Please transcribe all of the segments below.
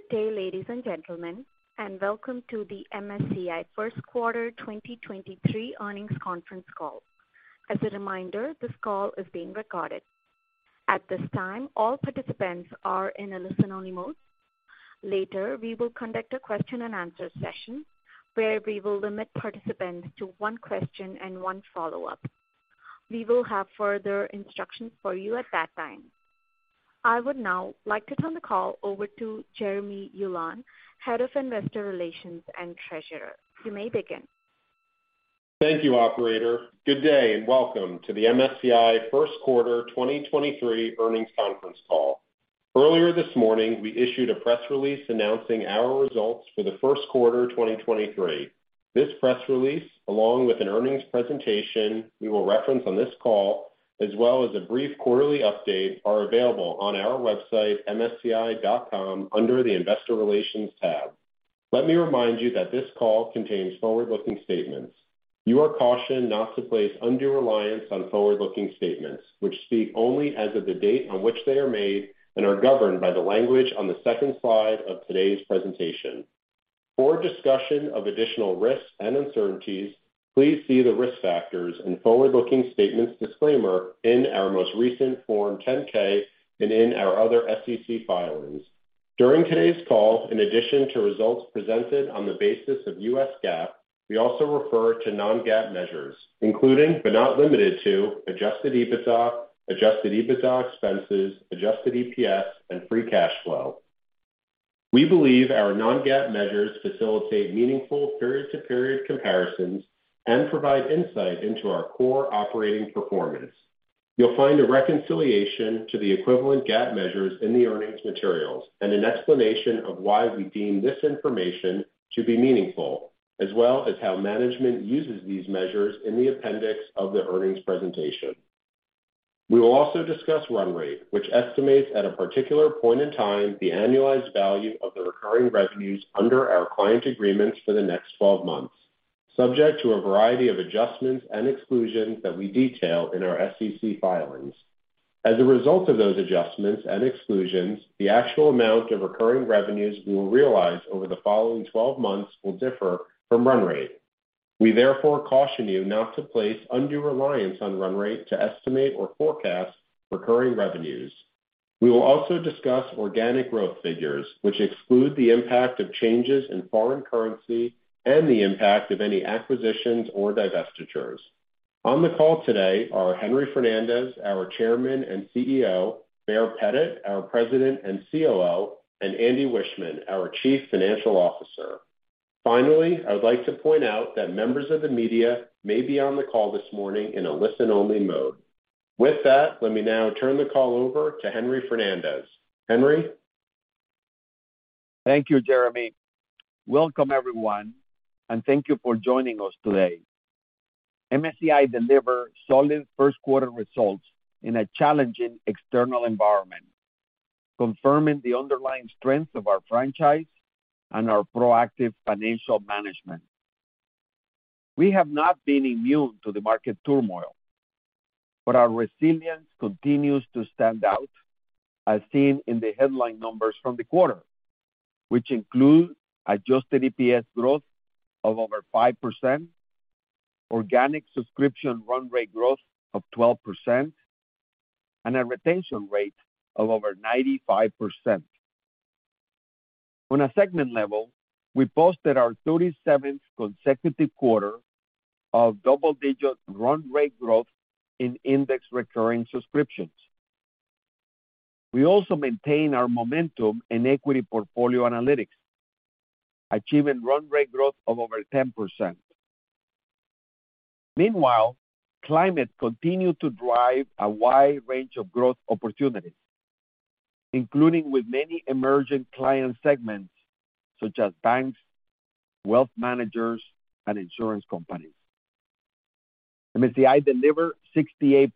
Good day, ladies and gentlemen, and Welcome to the MSCI First Quarter 2023 Earnings Conference Call. As a reminder, this call is being recorded. At this time, all participants are in a listen-only mode. Later, we will conduct a question-and-answer session where we will limit participants to one question and one follow-up. We will have further instructions for you at that time. I would now like to turn the call over to Jeremy Ulan, Head of Investor Relations and Treasurer. You may begin. Thank you, Operator. Good day, and welcome to the MSCI First Quarter 2023 Earnings Conference Call. Earlier this morning, we issued a press release announcing our results for the first quarter 2023. This press release, along with an earnings presentation we will reference on this call, as well as a brief quarterly update, are available on our website, msci.com, under the Investor Relations tab. Let me remind you that this call contains forward-looking statements. You are cautioned not to place undue reliance on forward-looking statements, which speak only as of the date on which they are made and are governed by the language on the second slide of today's presentation. For discussion of additional risks and uncertainties, please see the Risk Factors and Forward-Looking Statements disclaimer in our most recent Form 10-K, and in our other SEC filings. During today's call, in addition to results presented on the basis of U.S. GAAP, we also refer to non-GAAP measures, including, but not limited to adjusted EBITDA, adjusted EBITDA expenses, Adjusted EPS, and Free Cash Flow. We believe our non-GAAP measures facilitate meaningful period-to-period comparisons and provide insight into our core operating performance. You'll find a reconciliation to the equivalent GAAP measures in the earnings materials and an explanation of why we deem this information to be meaningful, as well as how management uses these measures in the appendix of the earnings presentation. We will also discuss Run Rate, which estimates at a particular point in time the annualized value of the recurring revenues under our client agreements for the next 12 months, subject to a variety of adjustments and exclusions that we detail in our SEC filings. As a result of those adjustments and exclusions, the actual amount of recurring revenues we will realize over the following 12 months will differ from Run Rate. We therefore caution you not to place undue reliance on Run Rate to estimate or forecast recurring revenues. We will also discuss Organic Growth figures, which exclude the impact of changes in foreign currency and the impact of any acquisitions or divestitures. On the call today are Henry Fernandez, our Chairman and CEO, Baer Pettit, our President and COO, and Andy Wiechmann, our Chief Financial Officer. Finally, I would like to point out that members of the media may be on the call this morning in a listen-only mode. Let me now turn the call over to Henry Fernandez. Henry. Thank you, Jeremy. Welcome, everyone, thank you for joining us today. MSCI delivered solid first quarter results in a challenging external environment, confirming the underlying strength of our franchise and our proactive financial management. We have not been immune to the market turmoil, our resilience continues to stand out as seen in the headline numbers from the quarter, which include Adjusted EPS growth of over 5%, organic subscription Run Rate growth of 12%, and a retention rate of over 95%. On a segment level, we posted our 37th consecutive quarter of double-digit Run Rate growth in index recurring subscriptions. We also maintain our momentum in equity portfolio analytics, achieving Run Rate growth of over 10%. Meanwhile, climate continued to drive a wide range of growth opportunities, including with many emerging client segments such as banks, wealth managers, and insurance companies. MSCI delivered 68%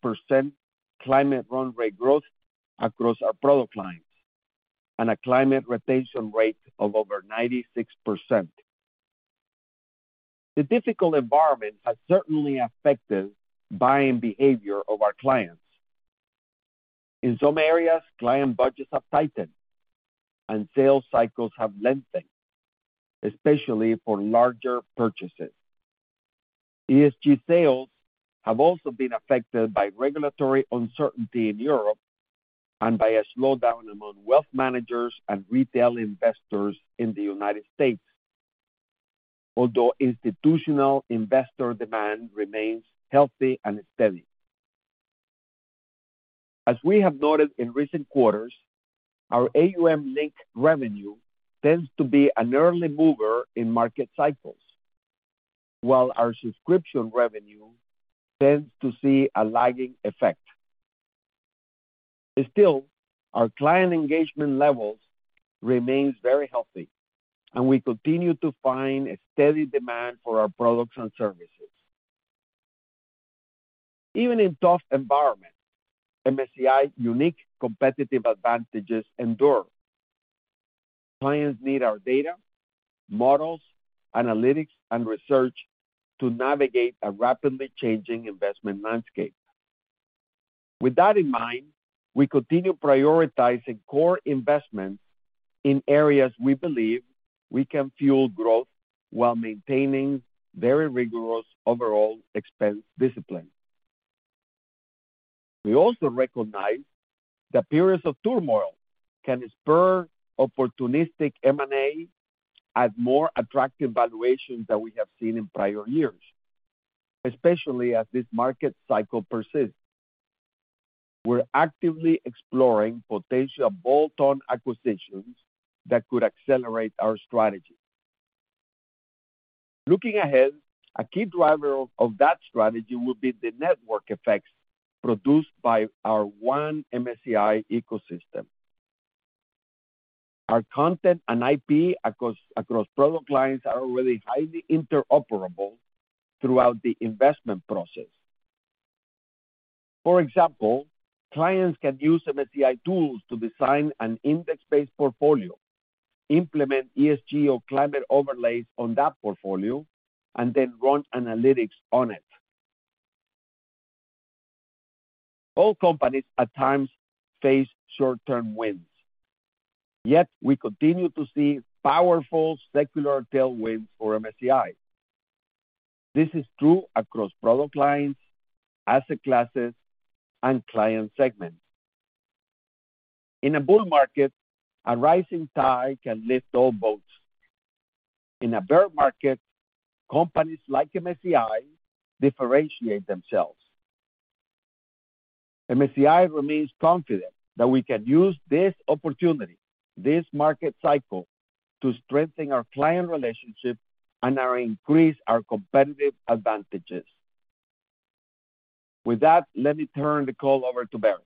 climate run rate growth across our product lines and a climate retention rate of over 96%. The difficult environment has certainly affected buying behavior of our clients. In some areas, client budgets have tightened, and sales cycles have lengthened, especially for larger purchases. ESG sales have also been affected by regulatory uncertainty in Europe and by a slowdown among wealth managers and retail investors in the United States, although institutional investor demand remains healthy and steady. As we have noted in recent quarters, our AUM-linked revenue tends to be an early mover in market cycles, while our subscription revenue tends to see a lagging effect. Still, our client engagement levels remains very healthy, and we continue to find a steady demand for our products and services. Even in tough environments, MSCI's unique competitive advantages endure. Clients need our data, models, analytics and research to navigate a rapidly changing investment landscape. With that in mind, we continue prioritizing core investments in areas we believe we can fuel growth while maintaining very rigorous overall expense discipline. We also recognize that periods of turmoil can spur opportunistic M&A at more attractive valuations than we have seen in prior years, especially as this market cycle persists. We're actively exploring potential bolt-on acquisitions that could accelerate our strategy. Looking ahead, a key driver of that strategy will be the network effects produced by our OneMSCI ecosystem. Our content and IP across product lines are already highly interoperable throughout the investment process. For example, clients can use MSCI tools to design an index-based portfolio, implement ESG or climate overlays on that portfolio, and then run analytics on it. All companies at times face short-term winds. We continue to see powerful secular tailwinds for MSCI. This is true across product lines, asset classes, and client segments. In a bull market, a rising tide can lift all boats. In a bear market, companies like MSCI differentiate themselves. MSCI remains confident that we can use this opportunity, this market cycle, to strengthen our client relationships and increase our competitive advantages. With that, let me turn the call over to Baer.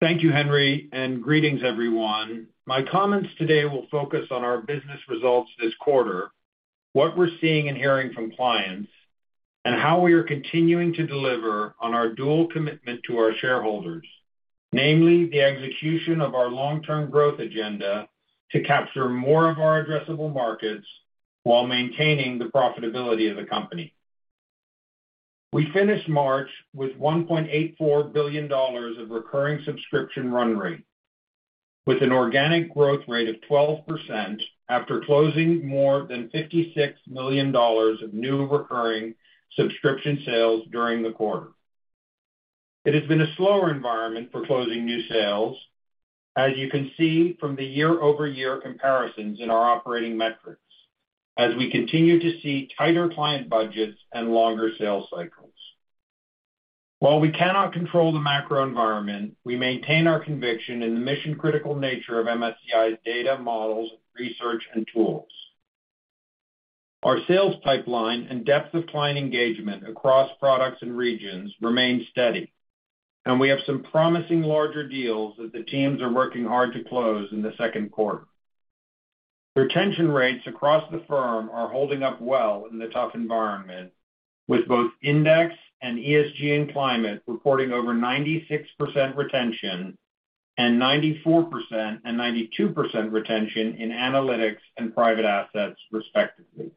Thank you, Henry. Greetings everyone. My comments today will focus on our business results this quarter, what we're seeing and hearing from clients, and how we are continuing to deliver on our dual commitment to our shareholders. Namely, the execution of our long-term growth agenda to capture more of our addressable markets while maintaining the profitability of the company. We finished March with $1.84 billion of recurring subscription run rate, with an organic growth rate of 12% after closing more than $56 million of new recurring subscription sales during the quarter. It has been a slower environment for closing new sales, as you can see from the year-over-year comparisons in our operating metrics as we continue to see tighter client budgets and longer sales cycles. While we cannot control the macro environment, we maintain our conviction in the mission-critical nature of MSCI's data, models, research, and tools. Our sales pipeline and depth of client engagement across products and regions remain steady, we have some promising larger deals that the teams are working hard to close in the second quarter. Retention rates across the firm are holding up well in the tough environment, with both Index and ESG and Climate reporting over 96% retention and 94% and 92% retention in Analytics and Private Assets respectively.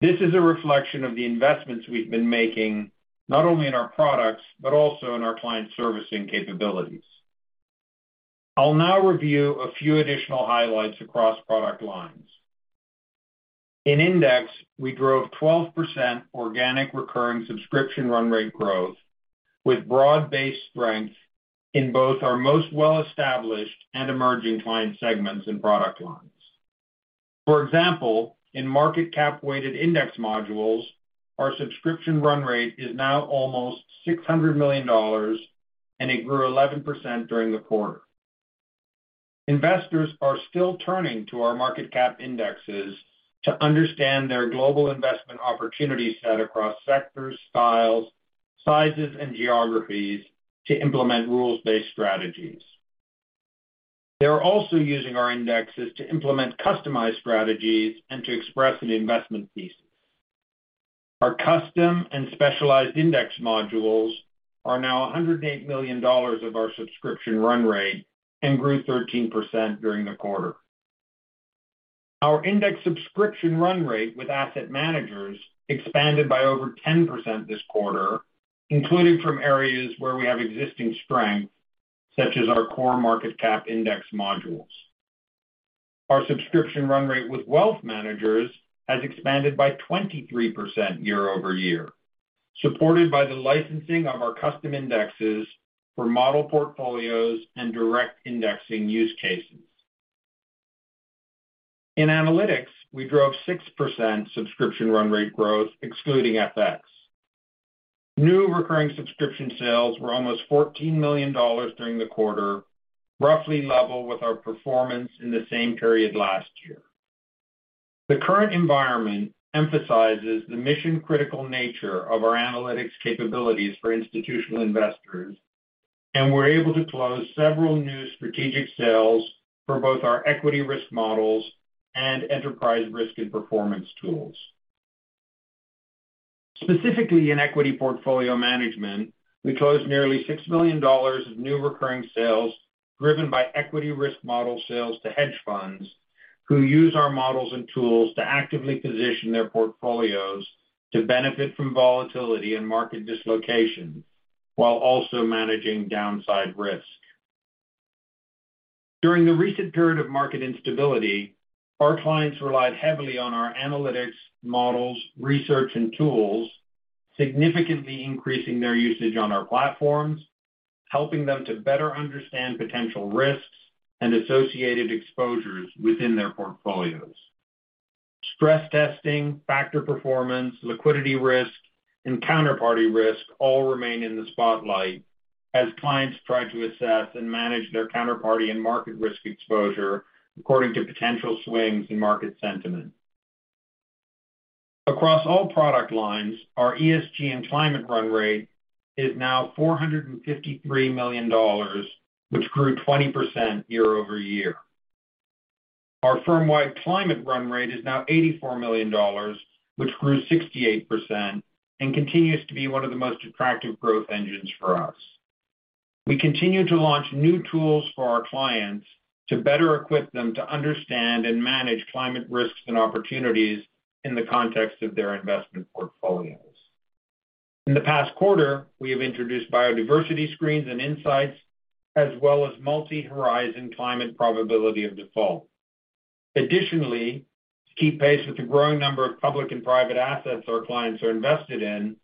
This is a reflection of the investments we've been making, not only in our products, but also in our client servicing capabilities. I'll now review a few additional highlights across product lines. In Index, we drove 12% organic recurring subscription Run Rate growth with broad-based strength in both our most well-established and emerging client segments and product lines. In market cap-weighted index modules, our subscription Run Rate is now almost $600 million, and it grew 11% during the quarter. Investors are still turning to our market cap indexes to understand their global investment opportunity set across sectors, styles, sizes, and geographies to implement rules-based strategies. They're also using our indexes to implement customized strategies and to express an investment thesis. Our custom and specialized index modules are now $108 million of our subscription Run Rate and grew 13% during the quarter. Our index subscription Run Rate with asset managers expanded by over 10% this quarter, including from areas where we have existing strength, such as our core market cap index modules. Our subscription Run Rate with wealth managers has expanded by 23% year-over-year, supported by the licensing of our custom indexes for model portfolios and direct indexing use cases. In Analytics, we drove 6% subscription Run Rate growth excluding FX. New recurring subscription sales were almost $14 million during the quarter, roughly level with our performance in the same period last year. The current environment emphasizes the mission-critical nature of our analytics capabilities for institutional investors, and we're able to close several new strategic sales for both our equity risk models and enterprise risk and performance tools. Specifically in equity portfolio management, we closed nearly $6 million of new recurring sales. Driven by equity risk model sales to hedge funds who use our models and tools to actively position their portfolios to benefit from volatility and market dislocation while also managing downside risk. During the recent period of market instability, our clients relied heavily on our analytics, models, research and tools, significantly increasing their usage on our platforms, helping them to better understand potential risks and associated exposures within their portfolios. Stress testing, factor performance, liquidity risk, and counterparty risk all remain in the spotlight as clients try to assess and manage their counterparty and market risk exposure according to potential swings in market sentiment. Across all product lines, our ESG and climate run rate is now $453 million, which grew 20% year-over-year. Our firm-wide climate Run Rate is now $84 million, which grew 68% and continues to be one of the most attractive growth engines for us. We continue to launch new tools for our clients to better equip them to understand and manage climate risks and opportunities in the context of their investment portfolios. In the past quarter, we have introduced biodiversity screens and insights as well as multi-horizon climate probability of default. Additionally, to keep pace with the growing number of public and private assets our clients are invested in,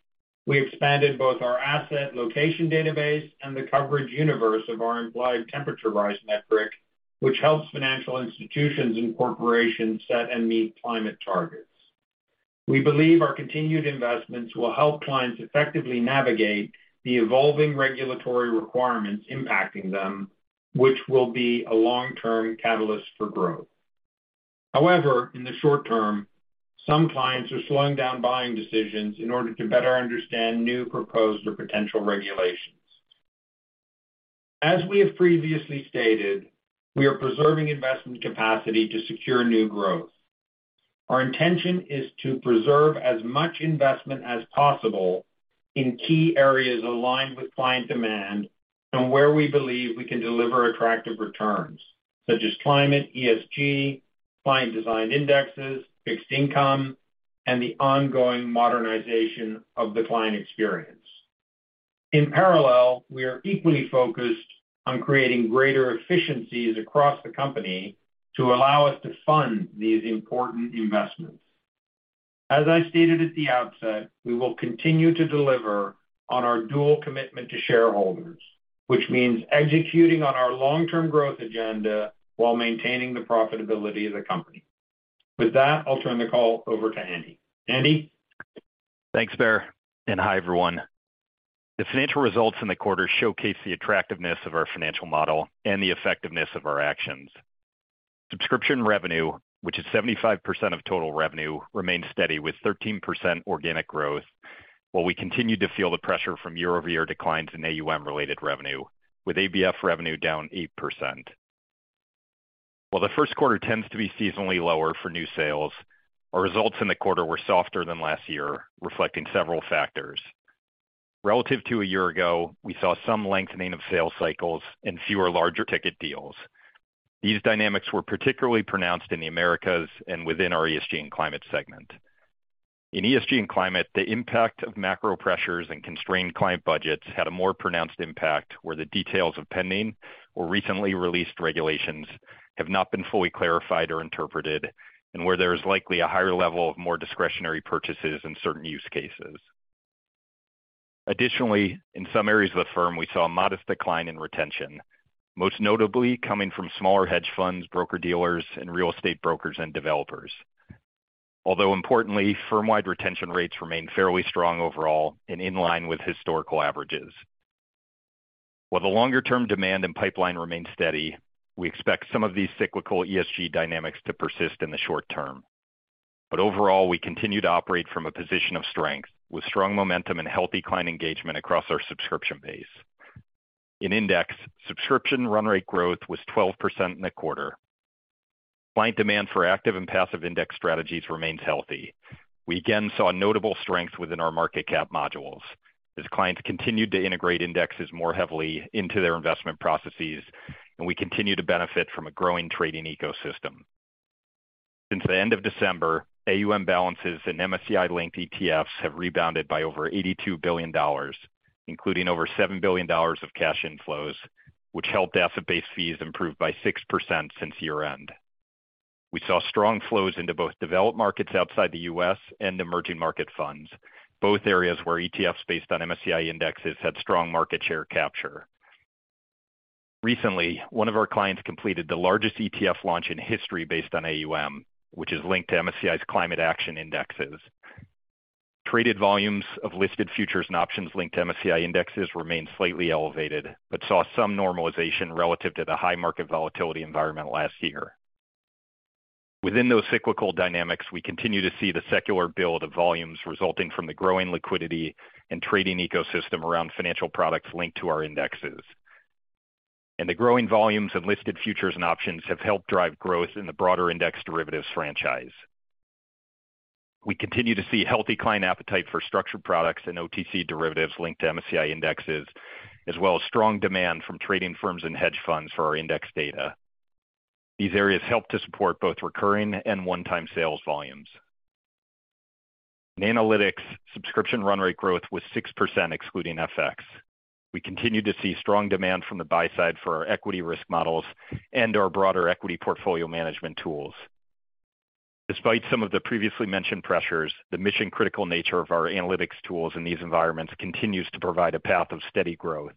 we expanded both our Asset Allocation database and the coverage universe of our Implied Temperature Rise metric, which helps financial institutions and corporations set and meet climate targets. We believe our continued investments will help clients effectively navigate the evolving regulatory requirements impacting them, which will be a long-term catalyst for growth. However, in the short term, some clients are slowing down buying decisions in order to better understand new proposed or potential regulations. As we have previously stated, we are preserving investment capacity to secure new growth. Our intention is to preserve as much investment as possible in key areas aligned with client demand and where we believe we can deliver attractive returns such as climate, ESG, client design indexes, fixed income, and the ongoing modernization of the client experience. In parallel, we are equally focused on creating greater efficiencies across the company to allow us to fund these important investments. As I stated at the outset, we will continue to deliver on our dual commitment to shareholders, which means executing on our long-term growth agenda while maintaining the profitability of the company. With that, I'll turn the call over to Andy. Andy? Thanks, Baer, hi, everyone. The financial results in the quarter showcase the attractiveness of our financial model and the effectiveness of our actions. Subscription revenue, which is 75% of total revenue, remains steady with 13% organic growth, while we continue to feel the pressure from year-over-year declines in AUM-related revenue, with ABF revenue down 8%. While the first quarter tends to be seasonally lower for new sales, our results in the quarter were softer than last year, reflecting several factors. Relative to a year ago, we saw some lengthening of sales cycles and fewer larger ticket deals. These dynamics were particularly pronounced in the Americas and within our ESG and Climate segment. In ESG and Climate, the impact of macro pressures and constrained client budgets had a more pronounced impact, where the details of pending or recently released regulations have not been fully clarified or interpreted, and where there is likely a higher level of more discretionary purchases in certain use cases. In some areas of the firm, we saw a modest decline in retention, most notably coming from smaller hedge funds, broker-dealers and real estate brokers and developers. Importantly, firm-wide retention rates remain fairly strong overall and in line with historical averages. While the longer-term demand and pipeline remain steady, we expect some of these cyclical ESG dynamics to persist in the short term. Overall, we continue to operate from a position of strength, with strong momentum and healthy client engagement across our subscription base. In index, subscription run rate growth was 12% in the quarter. Client demand for active and passive index strategies remains healthy. We again saw notable strength within our market cap modules as clients continued to integrate indexes more heavily into their investment processes. We continue to benefit from a growing trading ecosystem. Since the end of December, AUM balances and MSCI-linked ETFs have rebounded by over $82 billion, including over $7 billion of cash inflows, which helped asset-based fees improve by 6% since year-end. We saw strong flows into both developed markets outside the U.S. and emerging market funds, both areas where ETFs based on MSCI indexes had strong market share capture. Recently, one of our clients completed the largest ETF launch in history based on AUM, which is linked to MSCI's Climate Action Indexes. Traded volumes of listed futures and options linked to MSCI indexes remain slightly elevated, but saw some normalization relative to the high market volatility environment last year. Within those cyclical dynamics, we continue to see the secular build of volumes resulting from the growing liquidity and trading ecosystem around financial products linked to our indexes. The growing volumes of listed futures and options have helped drive growth in the broader index derivatives franchise. We continue to see healthy client appetite for structured products and OTC derivatives linked to MSCI indexes, as well as strong demand from trading firms and hedge funds for our index data. These areas help to support both recurring and one-time sales volumes. In analytics, subscription Run Rate growth was 6% excluding FX. We continue to see strong demand from the buy side for our equity risk models and our broader equity portfolio management tools. Despite some of the previously mentioned pressures, the mission-critical nature of our analytics tools in these environments continues to provide a path of steady growth.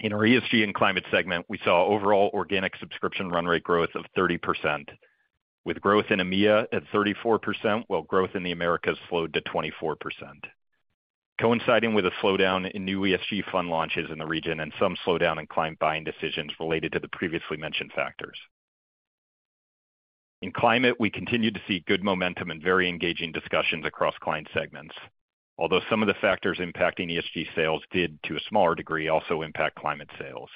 In our ESG and climate segment, we saw overall organic subscription run rate growth of 30%, with growth in EMEA at 34%, while growth in the Americas slowed to 24%. Coinciding with a slowdown in new ESG fund launches in the region and some slowdown in client buying decisions related to the previously mentioned factors. In climate, we continue to see good momentum and very engaging discussions across client segments. Some of the factors impacting ESG sales did, to a smaller degree, also impact climate sales.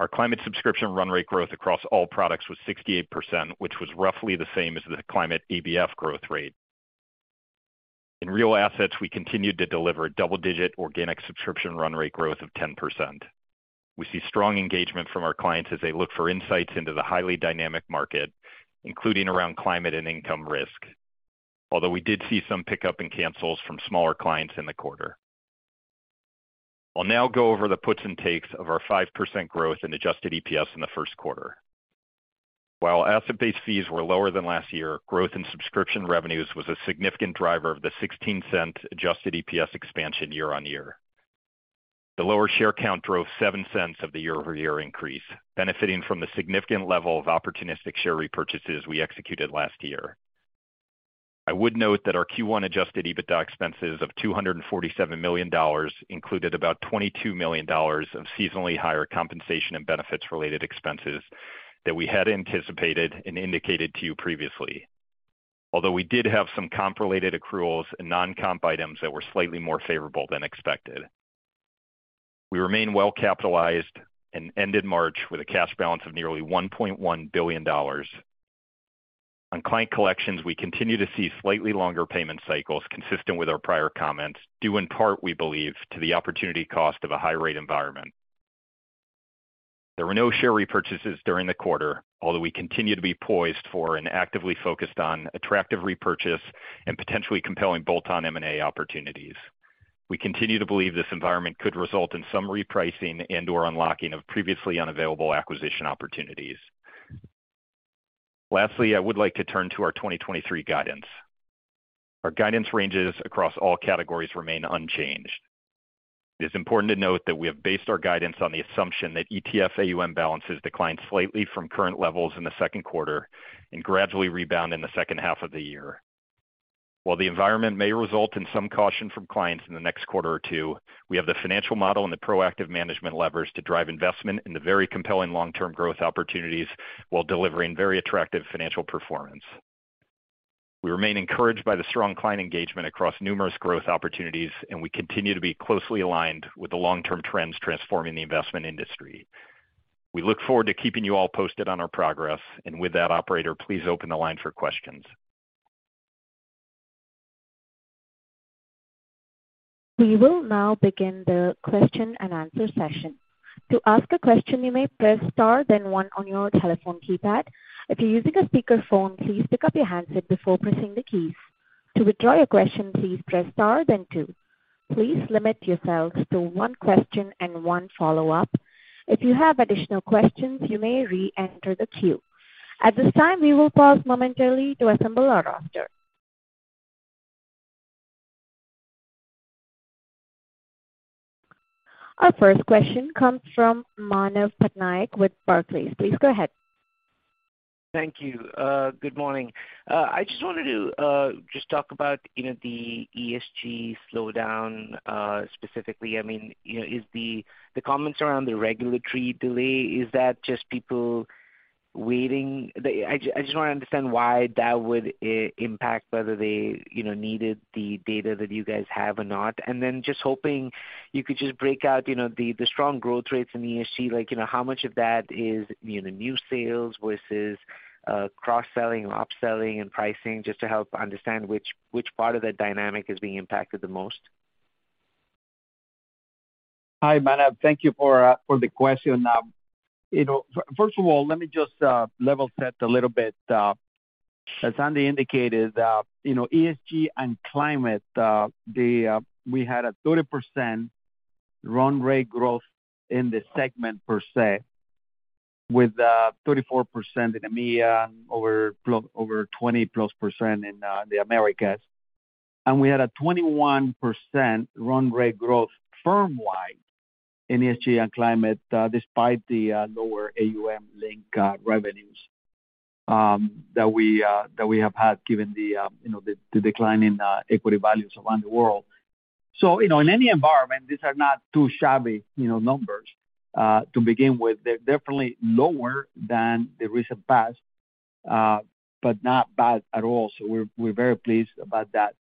Our climate subscription run rate growth across all products was 68%, which was roughly the same as the climate ABF growth rate. In real assets, we continued to deliver double-digit organic subscription Run Rate growth of 10%. We see strong engagement from our clients as they look for insights into the highly dynamic market, including around climate and income risk. We did see some pickup in cancels from smaller clients in the quarter. I'll now go over the puts and takes of our 5% growth in Adjusted EPS in the first quarter. Asset-based fees were lower than last year, growth in subscription revenues was a significant driver of the $0.16 Adjusted EPS expansion year-on-year. The lower share count drove $0.07 of the year-over-year increase, benefiting from the significant level of opportunistic share repurchases we executed last year. I would note that our Q1 adjusted EBITDA expenses of $247 million included about $22 million of seasonally higher compensation and benefits-related expenses that we had anticipated and indicated to you previously. We did have some comp-related accruals and non-comp items that were slightly more favorable than expected. We remain well-capitalized and ended March with a cash balance of nearly $1.1 billion. On client collections, we continue to see slightly longer payment cycles consistent with our prior comments, due in part, we believe, to the opportunity cost of a high-rate environment. There were no share repurchases during the quarter, although we continue to be poised for and actively focused on attractive repurchase and potentially compelling bolt-on M&A opportunities. We continue to believe this environment could result in some repricing and/or unlocking of previously unavailable acquisition opportunities. Lastly, I would like to turn to our 2023 guidance. Our guidance ranges across all categories remain unchanged. It is important to note that we have based our guidance on the assumption that ETF AUM balances decline slightly from current levels in the second quarter and gradually rebound in the second half of the year. While the environment may result in some caution from clients in the next quarter or two, we have the financial model and the proactive management levers to drive investment in the very compelling long-term growth opportunities while delivering very attractive financial performance. We remain encouraged by the strong client engagement across numerous growth opportunities. We continue to be closely aligned with the long-term trends transforming the investment industry. We look forward to keeping you all posted on our progress. With that, operator, please open the line for questions. We will now begin the question and answer session. To ask a question, you may press star, then One on your telephone keypad. If you're using a speakerphone, please pick up your handset before pressing the keys. To withdraw your question, please press star then Two. Please limit yourselves to one question and one follow-up. If you have additional questions, you may re-enter the queue. At this time, we will pause momentarily to assemble our roster. Our first question comes from Manav Patnaik with Barclays. Please go ahead. Thank you. good morning. I just wanted to just talk about, you know, the ESG slowdown, specifically. I mean, you know, is the comments around the regulatory delay, is that just people waiting? I just want to understand why that would impact whether they, you know, needed the data that you guys have or not. Then just hoping you could just break out, you know, the strong growth rates in ESG. Like, you know, how much of that is, you know, new sales versus cross-selling and upselling and pricing, just to help understand which part of the dynamic is being impacted the most. Hi, Manav. Thank you for the question. You know, first of all, let me just level set a little bit. As Andy indicated, you know, ESG and climate, we had a 30% run rate growth in the segment, per se, with 34% in EMEA, over 20+% in the Americas. We had a 21% run rate growth firm-wide in ESG and climate, despite the lower AUM link revenues that we have had given the, you know, the decline in equity values around the world. You know, in any environment, these are not too shabby, you know, numbers to begin with. They're definitely lower than the recent past, but not bad at all. We're very pleased about that.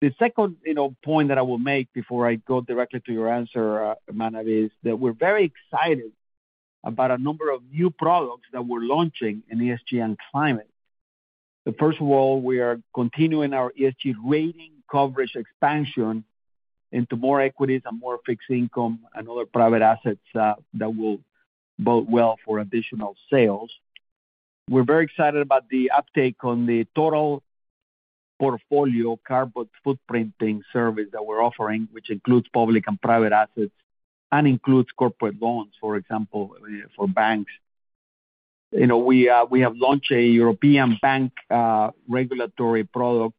The second, you know, point that I will make before I go directly to your answer, Manav, is that we're very excited about a number of new products that we're launching in ESG and climate. First of all, we are continuing our ESG rating coverage expansion into more equities and more fixed income and other private assets that will bode well for additional sales. We're very excited about the uptake on the total portfolio carbon footprinting service that we're offering, which includes public and private assets and includes corporate loans, for example, for banks. You know, we have launched a European bank regulatory product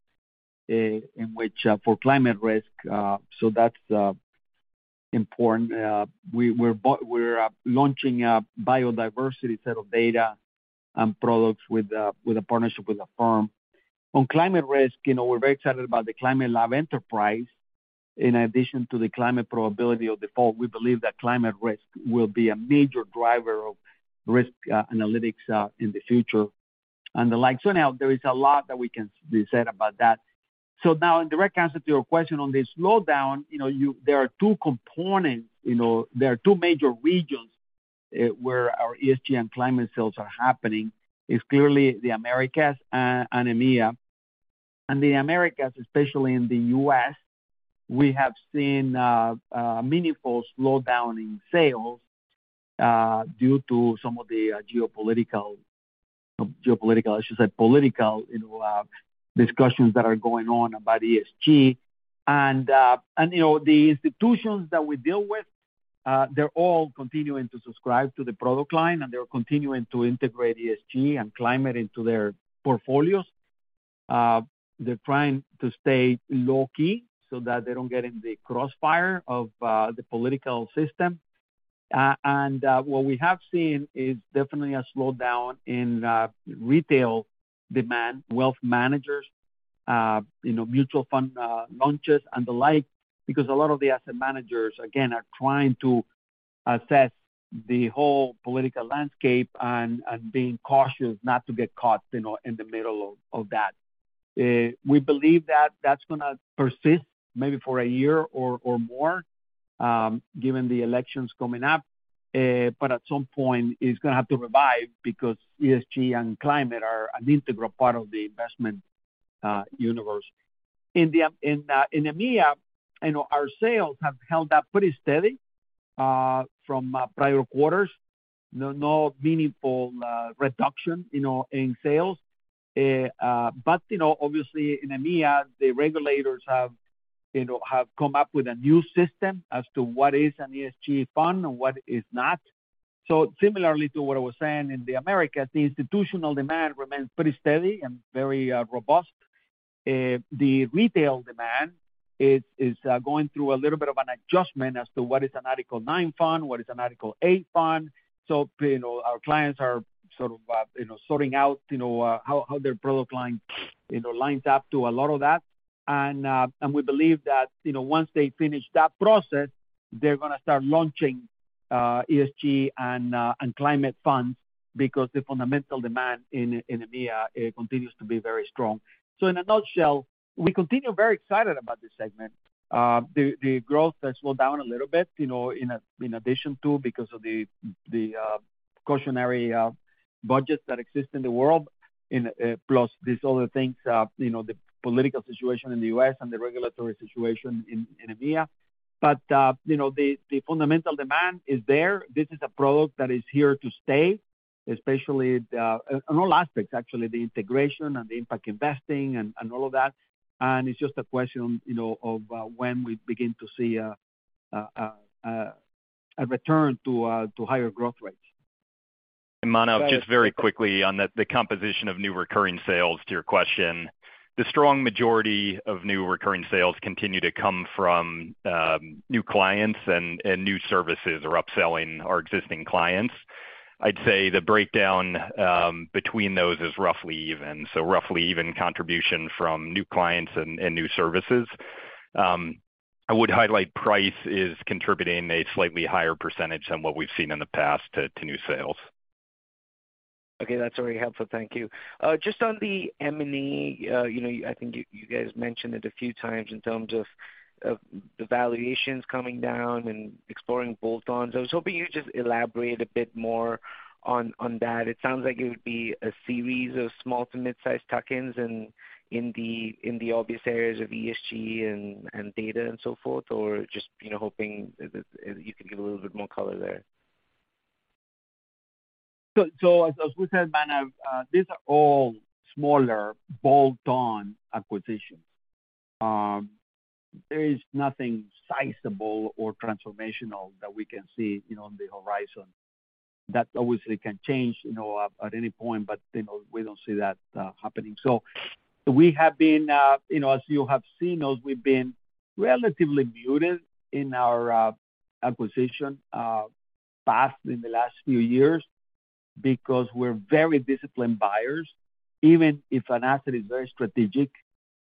in which for climate risk. That's important. We're launching a biodiversity set of data and products with a partnership with a firm. On climate risk, you know, we're very excited about the Climate Lab Enterprise. In addition to the climate probability of default, we believe that climate risk will be a major driver of risk analytics in the future and the like. There is a lot that we can be said about that. In direct answer to your question on the slowdown, you know, there are two major regions where our ESG and climate sales are happening. It's clearly the Americas and EMEA. The Americas, especially in the U.S., we have seen a meaningful slowdown in sales due to some of the geopolitical. I should say political, you know, discussions that are going on about ESG. You know, the institutions that we deal with, they're all continuing to subscribe to the product line, and they're continuing to integrate ESG and climate into their portfolios. They're trying to stay low-key so that they don't get in the crossfire of the political system. What we have seen is definitely a slowdown in retail demand, wealth managers, you know, mutual fund launches and the like, because a lot of the asset managers again are trying to assess the whole political landscape and being cautious not to get caught, you know, in the middle of that. We believe that that's gonna persist maybe for a year or more, given the elections coming up. At some point, it's gonna have to revive because ESG and climate are an integral part of the investment universe. In EMEA, you know, our sales have held up pretty steady from prior quarters. No, no meaningful reduction, you know, in sales. But, you know, obviously in EMEA, the regulators have, you know, have come up with a new system as to what is an ESG fund and what is not. Similarly to what I was saying in the Americas, the institutional demand remains pretty steady and very robust. The retail demand is going through a little bit of an adjustment as to what is an Article nine fund, what is an Article eight fund. You know, our clients are sort of, you know, sorting out, you know, how their product line, you know, lines up to a lot of that. We believe that, you know, once they finish that process, they're gonna start launching, ESG and climate funds because the fundamental demand in EMEA continues to be very strong. In a nutshell, we continue very excited about this segment. The growth has slowed down a little bit, you know, in addition to because of the cautionary budgets that exist in the world, and plus these other things, you know, the political situation in the U.S. and the regulatory situation in EMEA. You know, the fundamental demand is there. This is a product that is here to stay, especially, in all aspects, actually, the integration and the impact investing and all of that, and it's just a question, you know, of when we begin to see a return to higher growth rates. Manav, just very quickly on the composition of new recurring sales to your question. The strong majority of new recurring sales continue to come from new clients and new services or upselling our existing clients. I'd say the breakdown between those is roughly even, roughly even contribution from new clients and new services. I would highlight price is contributing a slightly higher percentage than what we've seen in the past to new sales. Okay. That's very helpful. Thank you. Just on the M&A, you know, I think you guys mentioned it a few times in terms of the valuations coming down and exploring bolt-ons. I was hoping you'd just elaborate a bit more on that. It sounds like it would be a series of small to mid-size tuck-ins and in the obvious areas of ESG and data and so forth. Just, you know, hoping that you can give a little bit more color there. As we said, Manav, these are all smaller bolt-on acquisitions. There is nothing sizable or transformational that we can see, you know, on the horizon. That obviously can change, you know, at any point, but, you know, we don't see that happening. We have been, you know, as you have seen us, we've been relatively muted in our acquisition path in the last few years because we're very disciplined buyers. Even if an asset is very strategic,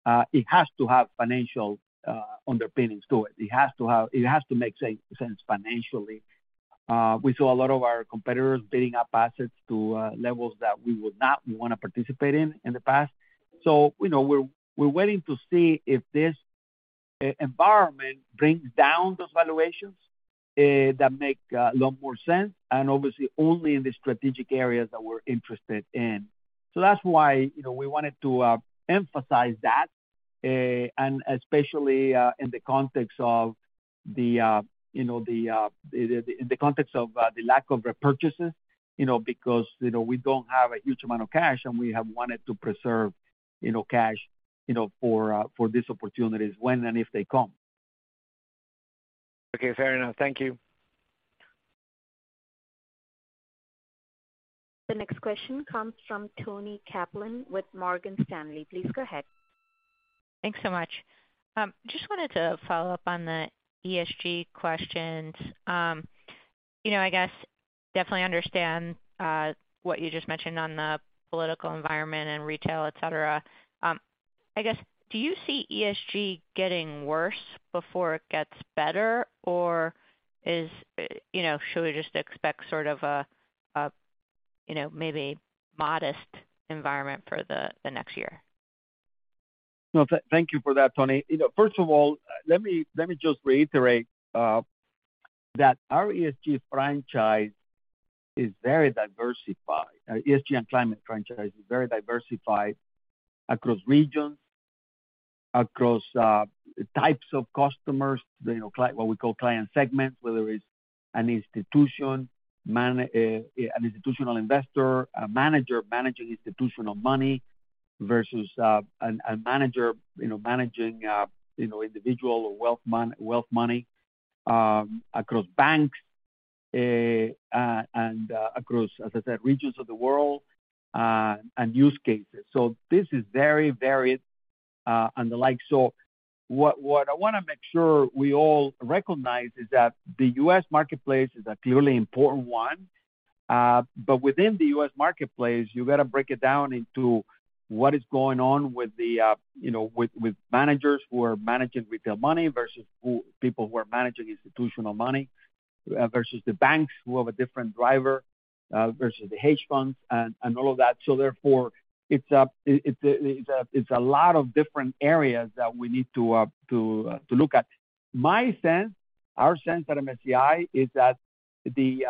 it has to have financial underpinnings to it. It has to make sense financially. We saw a lot of our competitors bidding up assets to levels that we would not, we wanna participate in in the past. You know, we're waiting to see if this E-environment brings down those valuations, that make a lot more sense, and obviously only in the strategic areas that we're interested in. That's why, you know, we wanted to emphasize that, and especially in the context of the, you know, the lack of repurchases, you know, because we don't have a huge amount of cash, and we have wanted to preserve cash for these opportunities when and if they come. Okay. Fair enough. Thank you. The next question comes from Toni Kaplan with Morgan Stanley. Please go ahead. Thanks so much. Just wanted to follow up on the ESG questions. You know, I guess definitely understand what you just mentioned on the political environment and retail, et cetera. I guess, do you see ESG getting worse before it gets better? You know, should we just expect sort of a, you know, maybe modest environment for the next year? No. Thank you for that, Toni. You know, first of all, let me just reiterate that our ESG franchise is very diversified. Our ESG and climate franchise is very diversified across regions, across types of customers, you know, what we call client segments, whether it's an institution, an institutional investor, a manager managing institutional money versus a manager, you know, managing, you know, individual wealth money, across banks, and across, as I said, regions of the world and use cases. This is very varied and the like. What I wanna make sure we all recognize is that the U.S. marketplace is a clearly important one, but within the U.S. marketplace, you've got to break it down into what is going on with the, you know, with managers who are managing retail money versus people who are managing institutional money, versus the banks who have a different driver, versus the hedge funds and all of that. Therefore, it's a lot of different areas that we need to look at. My sense, our sense at MSCI is that the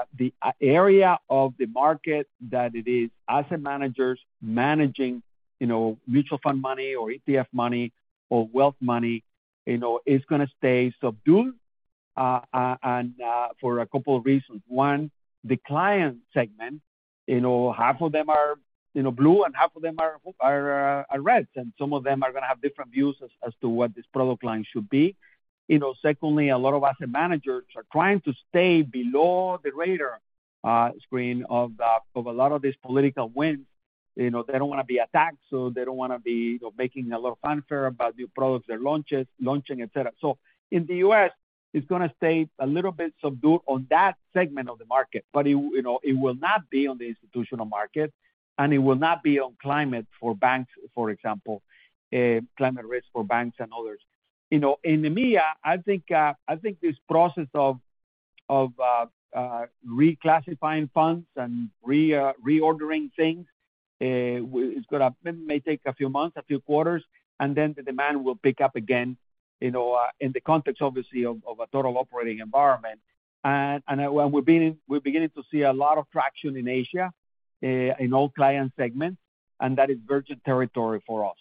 area of the market that it is asset managers managing, you know, mutual fund money or ETF money or wealth money, you know, is gonna stay subdued, and for a couple of reasons. One, the client segment, you know, half of them are, you know, blue and half of them are red, and some of them are gonna have different views as to what this product line should be. You know, secondly, a lot of asset managers are trying to stay below the radar screen of a lot of these political winds. You know, they don't wanna be attacked, so they don't wanna be, you know, making a lot of fanfare about new products they're launching, et cetera. In the U.S., it's gonna stay a little bit subdued on that segment of the market, but it, you know, it will not be on the institutional market, and it will not be on climate for banks, for example, climate risk for banks and others. You know, in the media, I think, I think this process of, reclassifying funds and reordering things. It may take a few months, a few quarters, and then the demand will pick up again, you know, in the context obviously of a total operating environment. We're beginning to see a lot of traction in Asia, in all client segments, and that is virgin territory for us.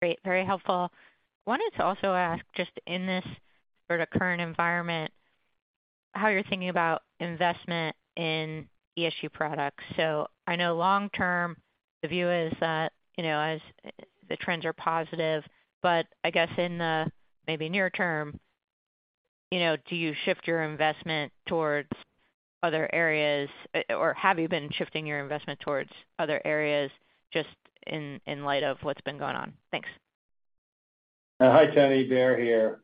Great. Very helpful. Wanted to also ask, just in this sort of current environment, how you're thinking about investment in ESG products. I know long term the view is that, you know, as the trends are positive, but I guess in the maybe near term, you know, do you shift your investment towards other areas, or have you been shifting your investment towards other areas just in light of what's been going on? Thanks. Hi, Toni. Baer here.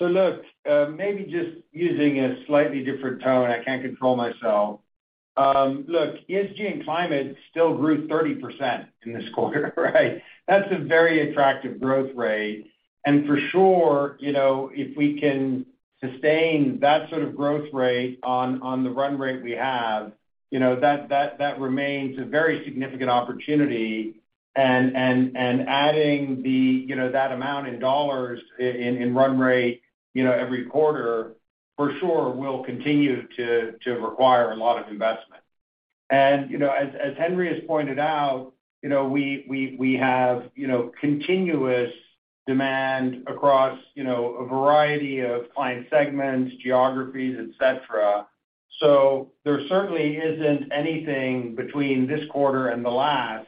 Look, maybe just using a slightly different tone, I can't control myself. Look, ESG and climate still grew 30% in this quarter, right? That's a very attractive growth rate. For sure, you know, if we can sustain that sort of growth rate on the run rate we have, you know, that remains a very significant opportunity. Adding the, you know, that amount in $ in run rate, you know, every quarter for sure will continue to require a lot of investment. You know, as Henry Fernandez has pointed out, you know, we have, you know, continuous demand across, you know, a variety of client segments, geographies, et cetera. There certainly isn't anything between this quarter and the last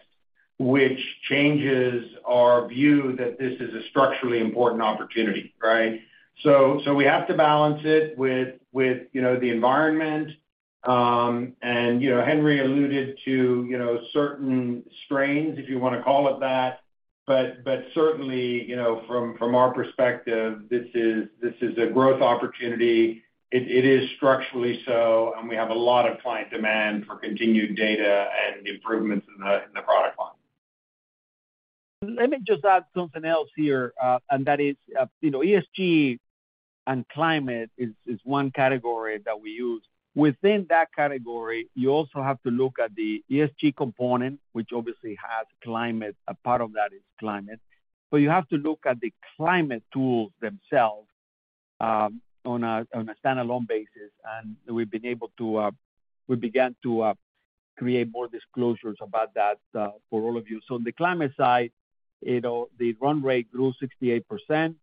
which changes our view that this is a structurally important opportunity, right? We have to balance it with, you know, the environment. You know, Henry alluded to, you know, certain strains, if you wanna call it that. Certainly, you know, from our perspective, this is a growth opportunity. It is structurally so, and we have a lot of client demand for continued data and improvements in the product line. Let me just add something else here. That is, you know, ESG and climate is one category that we use. Within that category, you also have to look at the ESG component, which obviously has a part of that is climate. You have to look at the climate tools themselves, on a standalone basis. We've been able to, we began to create more disclosures about that for all of you. On the climate side, you know, the run rate grew 68%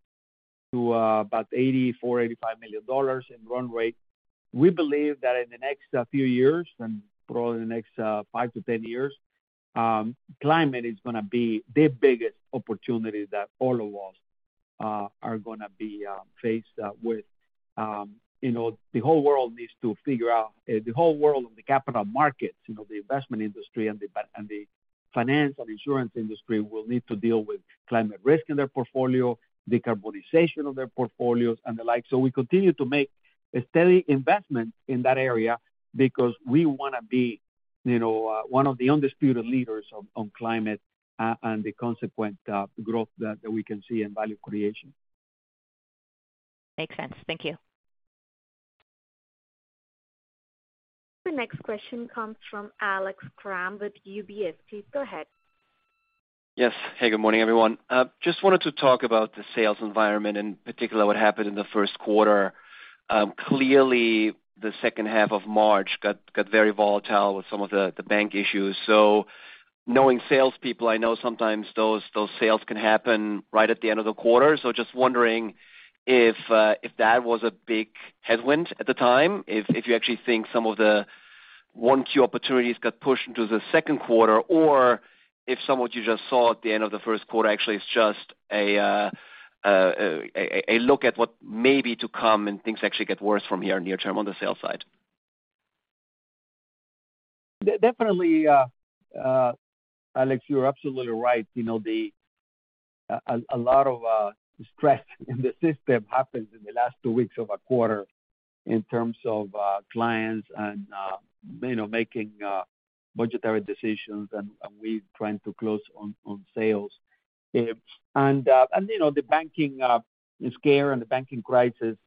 to about $84 million-$85 million in run rate. We believe that in the next few years, and probably the next 5-10 years, climate is gonna be the biggest opportunity that all of us are gonna be faced with. You know, the whole world needs to figure out, the whole world of the capital markets, you know, the investment industry and the finance and insurance industry will need to deal with climate risk in their portfolio, decarbonization of their portfolios, and the like. We continue to make a steady investment in that area because we wanna be, you know, one of the undisputed leaders on climate, and the consequent growth that we can see and value creation. Makes sense. Thank you. The next question comes from Alex Kramm with UBS. Please go ahead. Yes. Hey, good morning, everyone. Just wanted to talk about the sales environment, in particular, what happened in the first quarter. Clearly, the second half of March got very volatile with some of the bank issues. Knowing salespeople, I know sometimes those sales can happen right at the end of the quarter. Just wondering if that was a big headwind at the time, if you actually think some of the 1Q opportunities got pushed into the second quarter, or if some what you just saw at the end of the first quarter actually is just a look at what may be to come and things actually get worse from here near term on the sales side. Definitely, Alex, you're absolutely right. You know, A lot of stress in the system happens in the last two weeks of a quarter in terms of clients and, you know, making budgetary decisions and we trying to close on sales. You know, the banking scare and the banking crisis,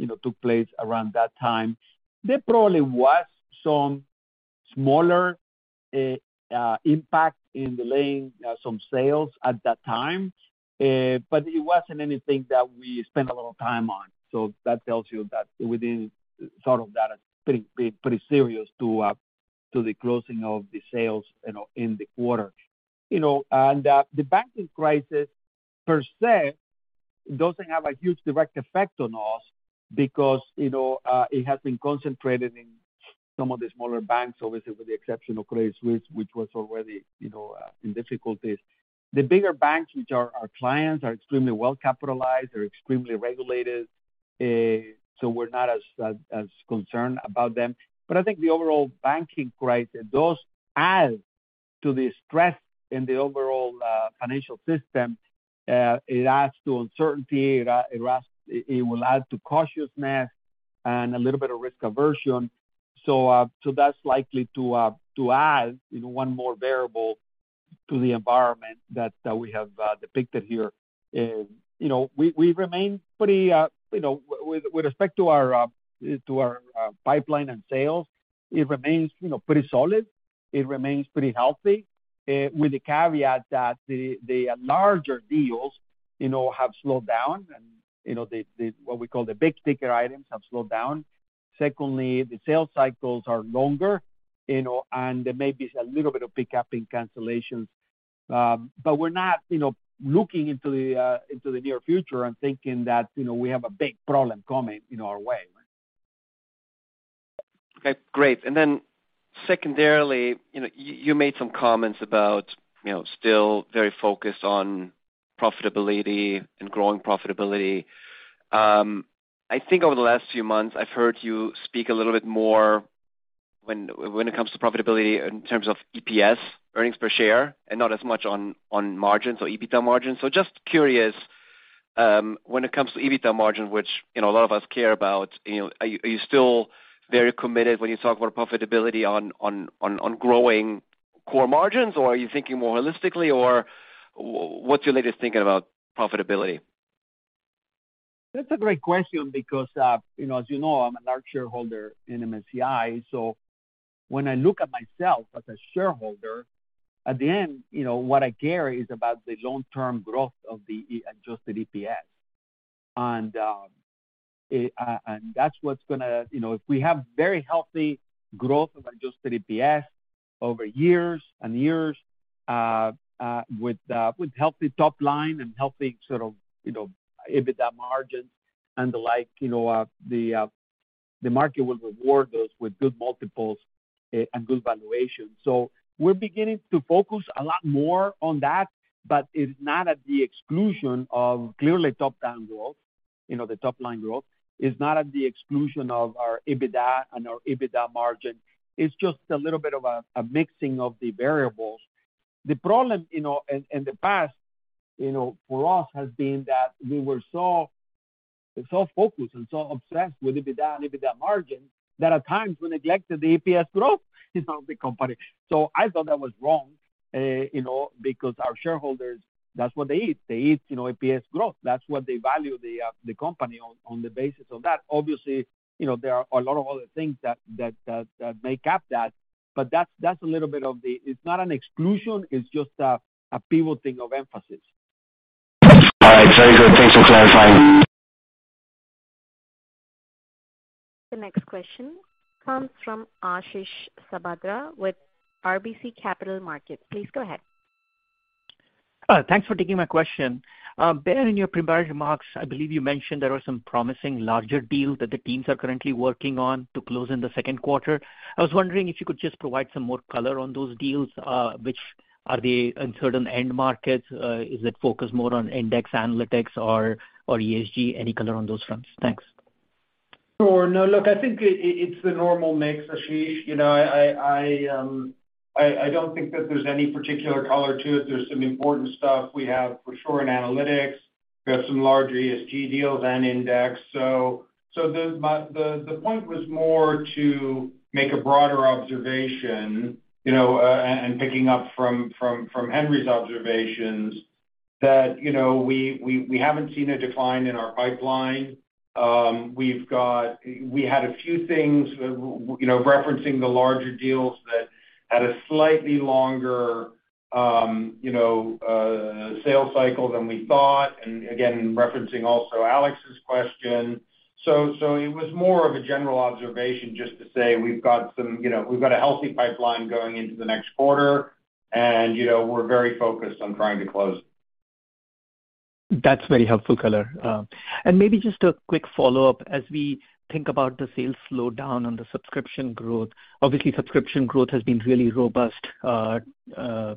you know, took place around that time. There probably was some smaller impact in delaying some sales at that time, but it wasn't anything that we spent a lot of time on. That tells you that within sort of that is pretty big, pretty serious to the closing of the sales, you know, in the quarter. You know, the banking crisis per se doesn't have a huge direct effect on us because, you know, it has been concentrated in some of the smaller banks, obviously, with the exception of Credit Suisse, which was already, you know, in difficulties. The bigger banks, which are our clients, are extremely well capitalized. They're extremely regulated, so we're not as concerned about them. I think the overall banking crisis does add to the stress in the overall financial system. It adds to uncertainty. It will add to cautiousness and a little bit of risk aversion. That's likely to add, you know, one more variable to the environment that we have depicted here. You know, we remain pretty, you know... With respect to our pipeline and sales, it remains, you know, pretty solid. It remains pretty healthy, with the caveat that the larger deals, you know, have slowed down and, you know, what we call the big-ticket items have slowed down. Secondly, the sales cycles are longer, you know, and there may be a little bit of pickup in cancellations. We're not, you know, looking into the near future and thinking that, you know, we have a big problem coming, you know, our way. Okay, great. Secondarily, you know, you made some comments about, you know, still very focused on profitability and growing profitability. I think over the last few months I've heard you speak a little bit more when it comes to profitability in terms of EPS, earnings per share, and not as much on margins or EBITDA margins. Just curious, when it comes to EBITDA margins, which, you know, a lot of us care about, you know, are you still very committed when you talk about profitability on growing core margins, or are you thinking more holistically or what's your latest thinking about profitability? That's a great question because, you know, as you know, I'm a large shareholder in MSCI, so when I look at myself as a shareholder, at the end, you know, what I care is about the long-term growth of the Adjusted EPS. That's what's gonna... You know, if we have very healthy growth of Adjusted EPS over years and years, with healthy top line and healthy sort of, you know, EBITDA margins and the like, you know, the market will reward us with good multiples, and good valuation. We're beginning to focus a lot more on that, but it's not at the exclusion of clearly top-down growth. You know, the top-line growth is not at the exclusion of our EBITDA and our EBITDA margin. It's just a little bit of a mixing of the variables. The problem, you know, in the past, you know, for us has been that we're so focused and so obsessed with EBITDA and EBITDA margin that at times we neglected the EPS growth of the company. I thought that was wrong, you know, because our shareholders, that's what they eat. They eat, you know, EPS growth. That's what they value the company on the basis of that. Obviously, you know, there are a lot of other things that make up that, but that's a little bit of the, it's not an exclusion, it's just a pivoting of emphasis. All right, very good. Thanks for clarifying. The next question comes from Ashish Sabadra with RBC Capital Markets. Please go ahead. Thanks for taking my question. Baer, in your prepared remarks, I believe you mentioned there are some promising larger deals that the teams are currently working on to close in the second quarter. I was wondering if you could just provide some more color on those deals. Which are they in certain end markets? Is it focused more on index analytics or ESG? Any color on those fronts? Thanks. Sure. No, look, I think it's the normal mix, Ashish. You know, I don't think that there's any particular color to it. There's some important stuff we have for sure in analytics. We have some large ESG deals and index. The point was more to make a broader observation, you know, and picking up from Henry's observations that, you know, we haven't seen a decline in our pipeline. We had a few things, you know, referencing the larger deals that had a slightly longer, you know, sales cycle than we thought, and again, referencing also Alex's question. It was more of a general observation just to say we've got some, you know, we've got a healthy pipeline going into the next quarter, and, you know, we're very focused on trying to close. That's very helpful color. Maybe just a quick follow-up. As we think about the sales slowdown on the subscription growth, obviously, subscription growth has been really robust, 12%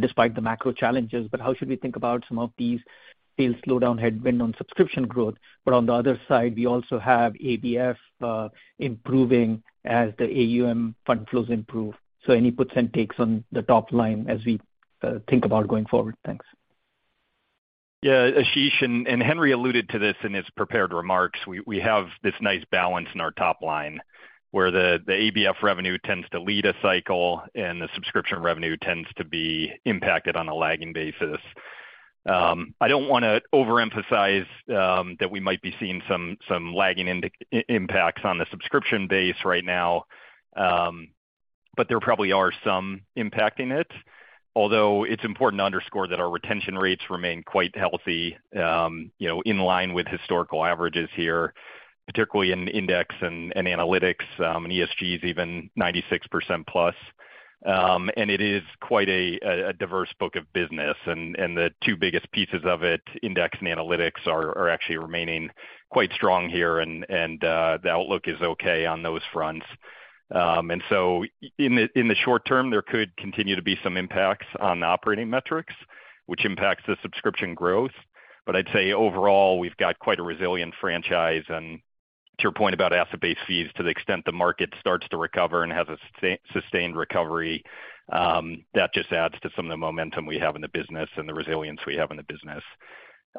despite the macro challenges, but how should we think about some of these sales slowdown headwind on subscription growth? On the other side, we also have ABF improving as the AUM fund flows improve. Any puts and takes on the top line as we think about going forward? Thanks. Yeah, Ashish, and Henry alluded to this in his prepared remarks. We have this nice balance in our top line, where the ABF revenue tends to lead a cycle and the subscription revenue tends to be impacted on a lagging basis. I don't wanna overemphasize that we might be seeing some lagging impacts on the subscription base right now, there probably are some impacting it. Although it's important to underscore that our retention rates remain quite healthy, you know, in line with historical averages here, particularly in index and analytics, and ESG is even 96% plus. It is quite a diverse book of business. The two biggest pieces of it, index and analytics, are actually remaining quite strong here, and the outlook is okay on those fronts. In the short term, there could continue to be some impacts on the operating metrics, which impacts the subscription growth. I'd say overall, we've got quite a resilient franchise. To your point about asset-based fees, to the extent the market starts to recover and has a sustained recovery, that just adds to some of the momentum we have in the business and the resilience we have in the business.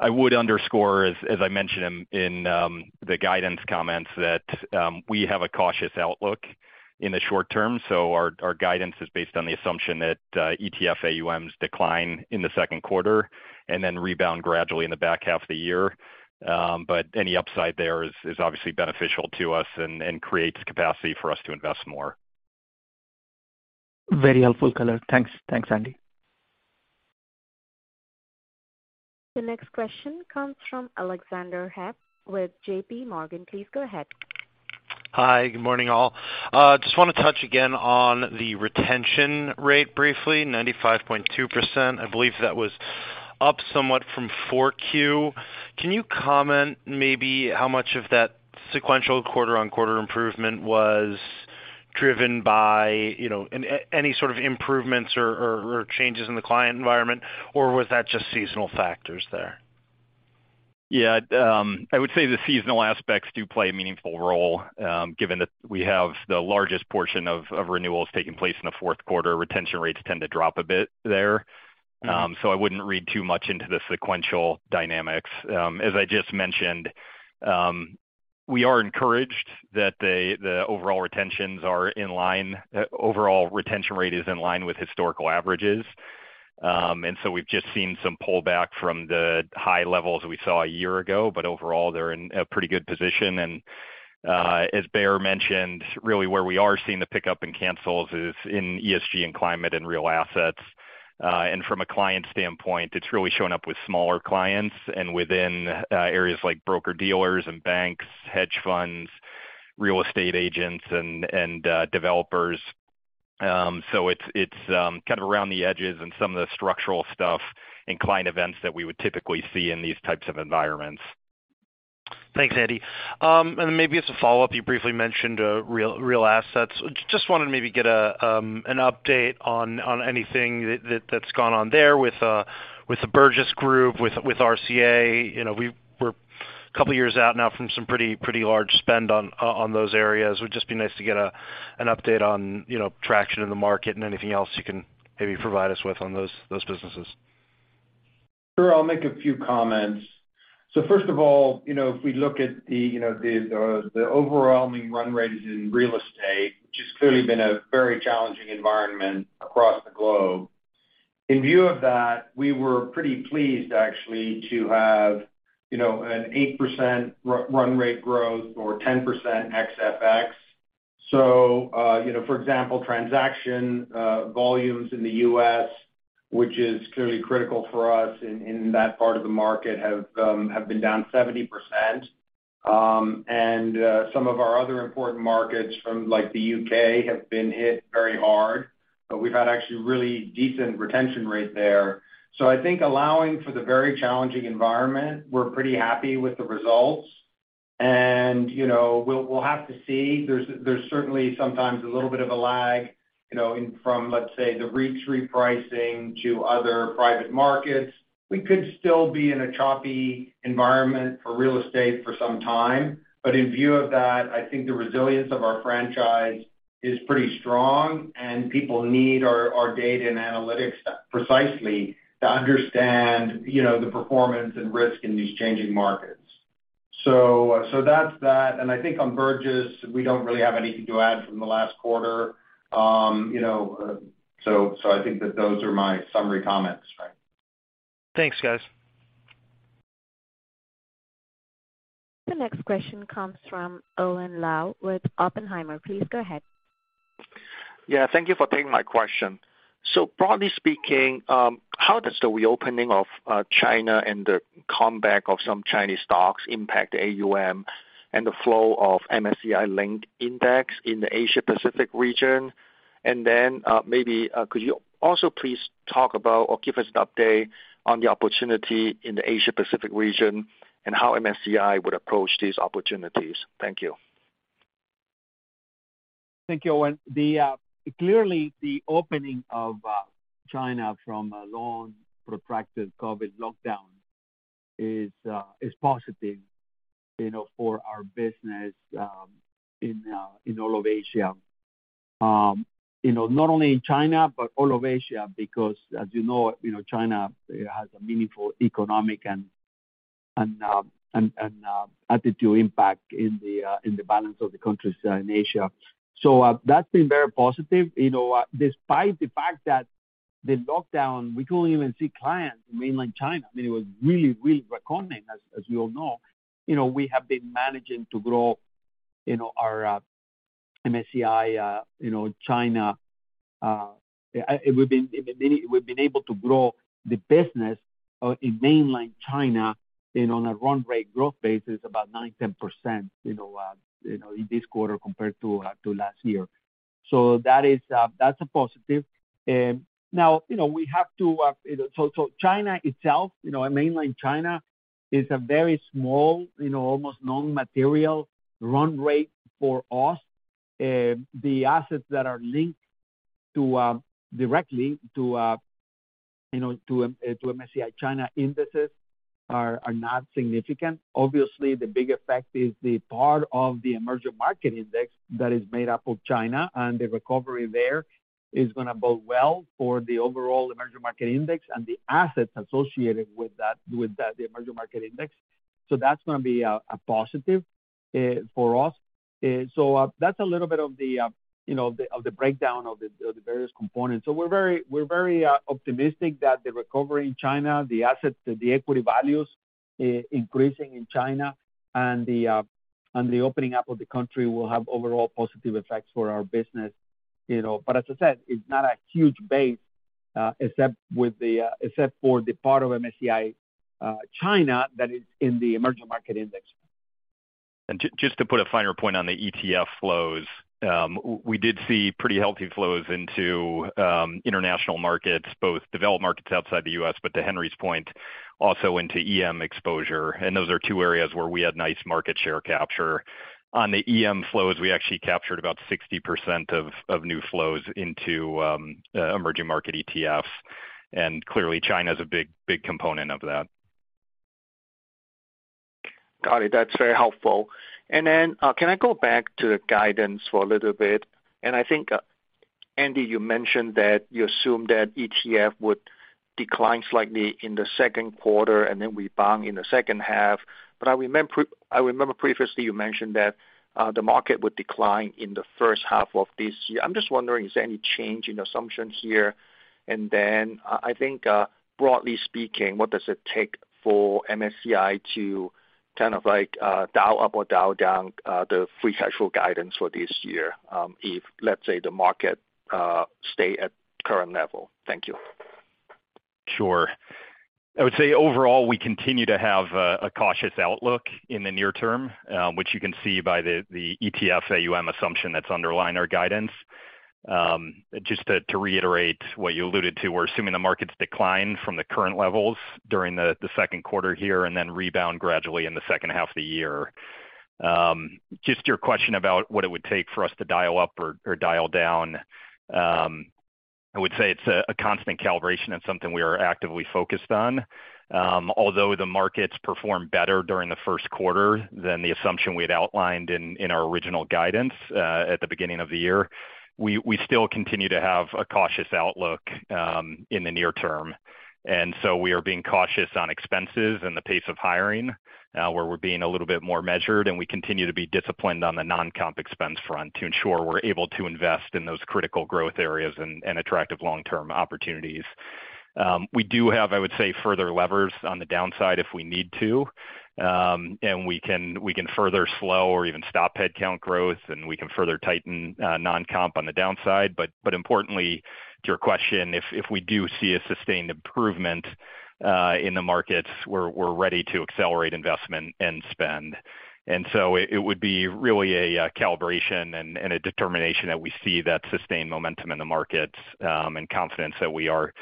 I would underscore, as I mentioned in the guidance comments, that we have a cautious outlook in the short term, our guidance is based on the assumption that ETF AUMs decline in the second quarter and then rebound gradually in the back half of the year. Any upside there is obviously beneficial to us and creates capacity for us to invest more. Very helpful color. Thanks. Thanks, Andy. The next question comes from Alexander Hess with JPMorgan. Please go ahead. Hi. Good morning, all. Just wanna touch again on the retention rate briefly, 95.2%. I believe that was up somewhat from 4Q. Can you comment maybe how much of that sequential quarter-on-quarter improvement was driven by, you know, any sort of improvements or changes in the client environment, or was that just seasonal factors there? Yeah. I would say the seasonal aspects do play a meaningful role, given that we have the largest portion of renewals taking place in the fourth quarter. Retention rates tend to drop a bit there. I wouldn't read too much into the sequential dynamics. As I just mentioned, we are encouraged that the overall retention rate is in line with historical averages. We've just seen some pullback from the high levels we saw a year ago, but overall, they're in a pretty good position. As Baer mentioned, really where we are seeing the pickup in cancels is in ESG and climate and real assets. From a client standpoint, it's really shown up with smaller clients and within areas like broker-dealers and banks, hedge funds, real estate agents and developers. It's, it's, kind of around the edges and some of the structural stuff and client events that we would typically see in these types of environments. Thanks, Andy. Then maybe as a follow-up, you briefly mentioned real assets. Just wanted to maybe get an update on anything that's gone on there with the Burgiss Group, with RCA. You know, we're a couple years out now from some pretty large spend on those areas. It would just be nice to get an update on, you know, traction in the market and anything else you can maybe provide us with on those businesses. Sure. I'll make a few comments. First of all, you know, if we look at the overwhelming run rates in real estate, which has clearly been a very challenging environment across the globe, in view of that, we were pretty pleased actually to have, you know, an 8% run rate growth or 10% ex FX. For example, transaction volumes in the U.S., which is clearly critical for us in that part of the market have been down 70%. Some of our other important markets from like the U.K. have been hit very hard, but we've had actually really decent retention rate there. I think allowing for the very challenging environment, we're pretty happy with the results. You know, we'll have to see. There's certainly sometimes a little bit of a lag, you know, in from, let's say, the REITs repricing to other private markets. We could still be in a choppy environment for real estate for some time. In view of that, I think the resilience of our franchise is pretty strong, and people need our data and analytics precisely to understand, you know, the performance and risk in these changing markets. That's that. I think on Burgiss, we don't really have anything to add from the last quarter. You know, I think that those are my summary comments. Right. Thanks, guys. The next question comes from Owen Lau with Oppenheimer. Please go ahead. Yeah, thank you for taking my question. Broadly speaking, how does the reopening of China and the comeback of some Chinese stocks impact AUM and the flow of MSCI linked index in the Asia Pacific region? Maybe could you also please talk about or give us an update on the opportunity in the Asia Pacific region and how MSCI would approach these opportunities? Thank you. Thank you, Owen. The clearly the opening of China from a long, protracted COVID lockdown is positive, you know, for our business, in all of Asia. You know, not only in China, but all of Asia, because as you know, you know, China has a meaningful economic and attitude impact in the balance of the countries in Asia. That's been very positive. You know, despite the fact that the lockdown, we couldn't even see clients in mainland China. I mean, it was really, really reckoning as we all know. You know, we have been managing to grow, you know, our MSCI, you know, China. We've been able to grow the business in mainland China and on a run rate growth basis about 9%, 10%, you know, this quarter compared to last year. That is, that's a positive. Now, you know, we have to, you know... China itself, you know, mainland China is a very small, you know, almost non-material run rate for us. The assets that are linked to directly to, you know, to MSCI China indexes are not significant. Obviously, the big effect is the part of the emerging market index that is made up of China, and the recovery there is gonna bode well for the overall emerging market index and the assets associated with that, the emerging market index. That's gonna be a positive for us. That's a little bit of the, you know, of the breakdown of the various components. We're very optimistic that the recovery in China, the assets, the equity values increasing in China and the opening up of the country will have overall positive effects for our business, you know. As I said, it's not a huge base, except for the part of MSCI China that is in the emerging market index. Just to put a finer point on the ETF flows, we did see pretty healthy flows into international markets, both developed markets outside the U.S., but to Henry's point, also into EM exposure. Those are two areas where we had nice market share capture. On the EM flows, we actually captured about 60% of new flows into emerging market ETFs, and clearly China's a big, big component of that. Got it. That's very helpful. Then, can I go back to the guidance for a little bit? I think, Andy Wiechmann, you mentioned that you assume that ETF would decline slightly in the second quarter and then rebound in the second half. I remember previously you mentioned that the market would decline in the first half of this year. I'm just wondering, is there any change in assumption here? Then, I think, broadly speaking, what does it take for MSCI to kind of like, dial up or dial down, the Free Cash Flow guidance for this year, if, let's say, the market, stay at current level? Thank you. Sure. I would say overall, we continue to have a cautious outlook in the near term, which you can see by the ETF AUM assumption that's underlying our guidance. Just to reiterate what you alluded to, we're assuming the markets decline from the current levels during the second quarter here and then rebound gradually in the second half of the year. Just your question about what it would take for us to dial up or dial down, I would say it's a constant calibration and something we are actively focused on. Although the markets performed better during the first quarter than the assumption we had outlined in our original guidance at the beginning of the year, we still continue to have a cautious outlook in the near term. We are being cautious on expenses and the pace of hiring, where we're being a little bit more measured, and we continue to be disciplined on the non-comp expense front to ensure we're able to invest in those critical growth areas and attractive long-term opportunities. We do have, I would say, further levers on the downside if we need to. And we can further slow or even stop headcount growth, and we can further tighten non-comp on the downside. But importantly, to your question, if we do see a sustained improvement, in the markets, we're ready to accelerate investment and spend. It would be really a calibration and a determination that we see that sustained momentum in the markets, and confidence that we are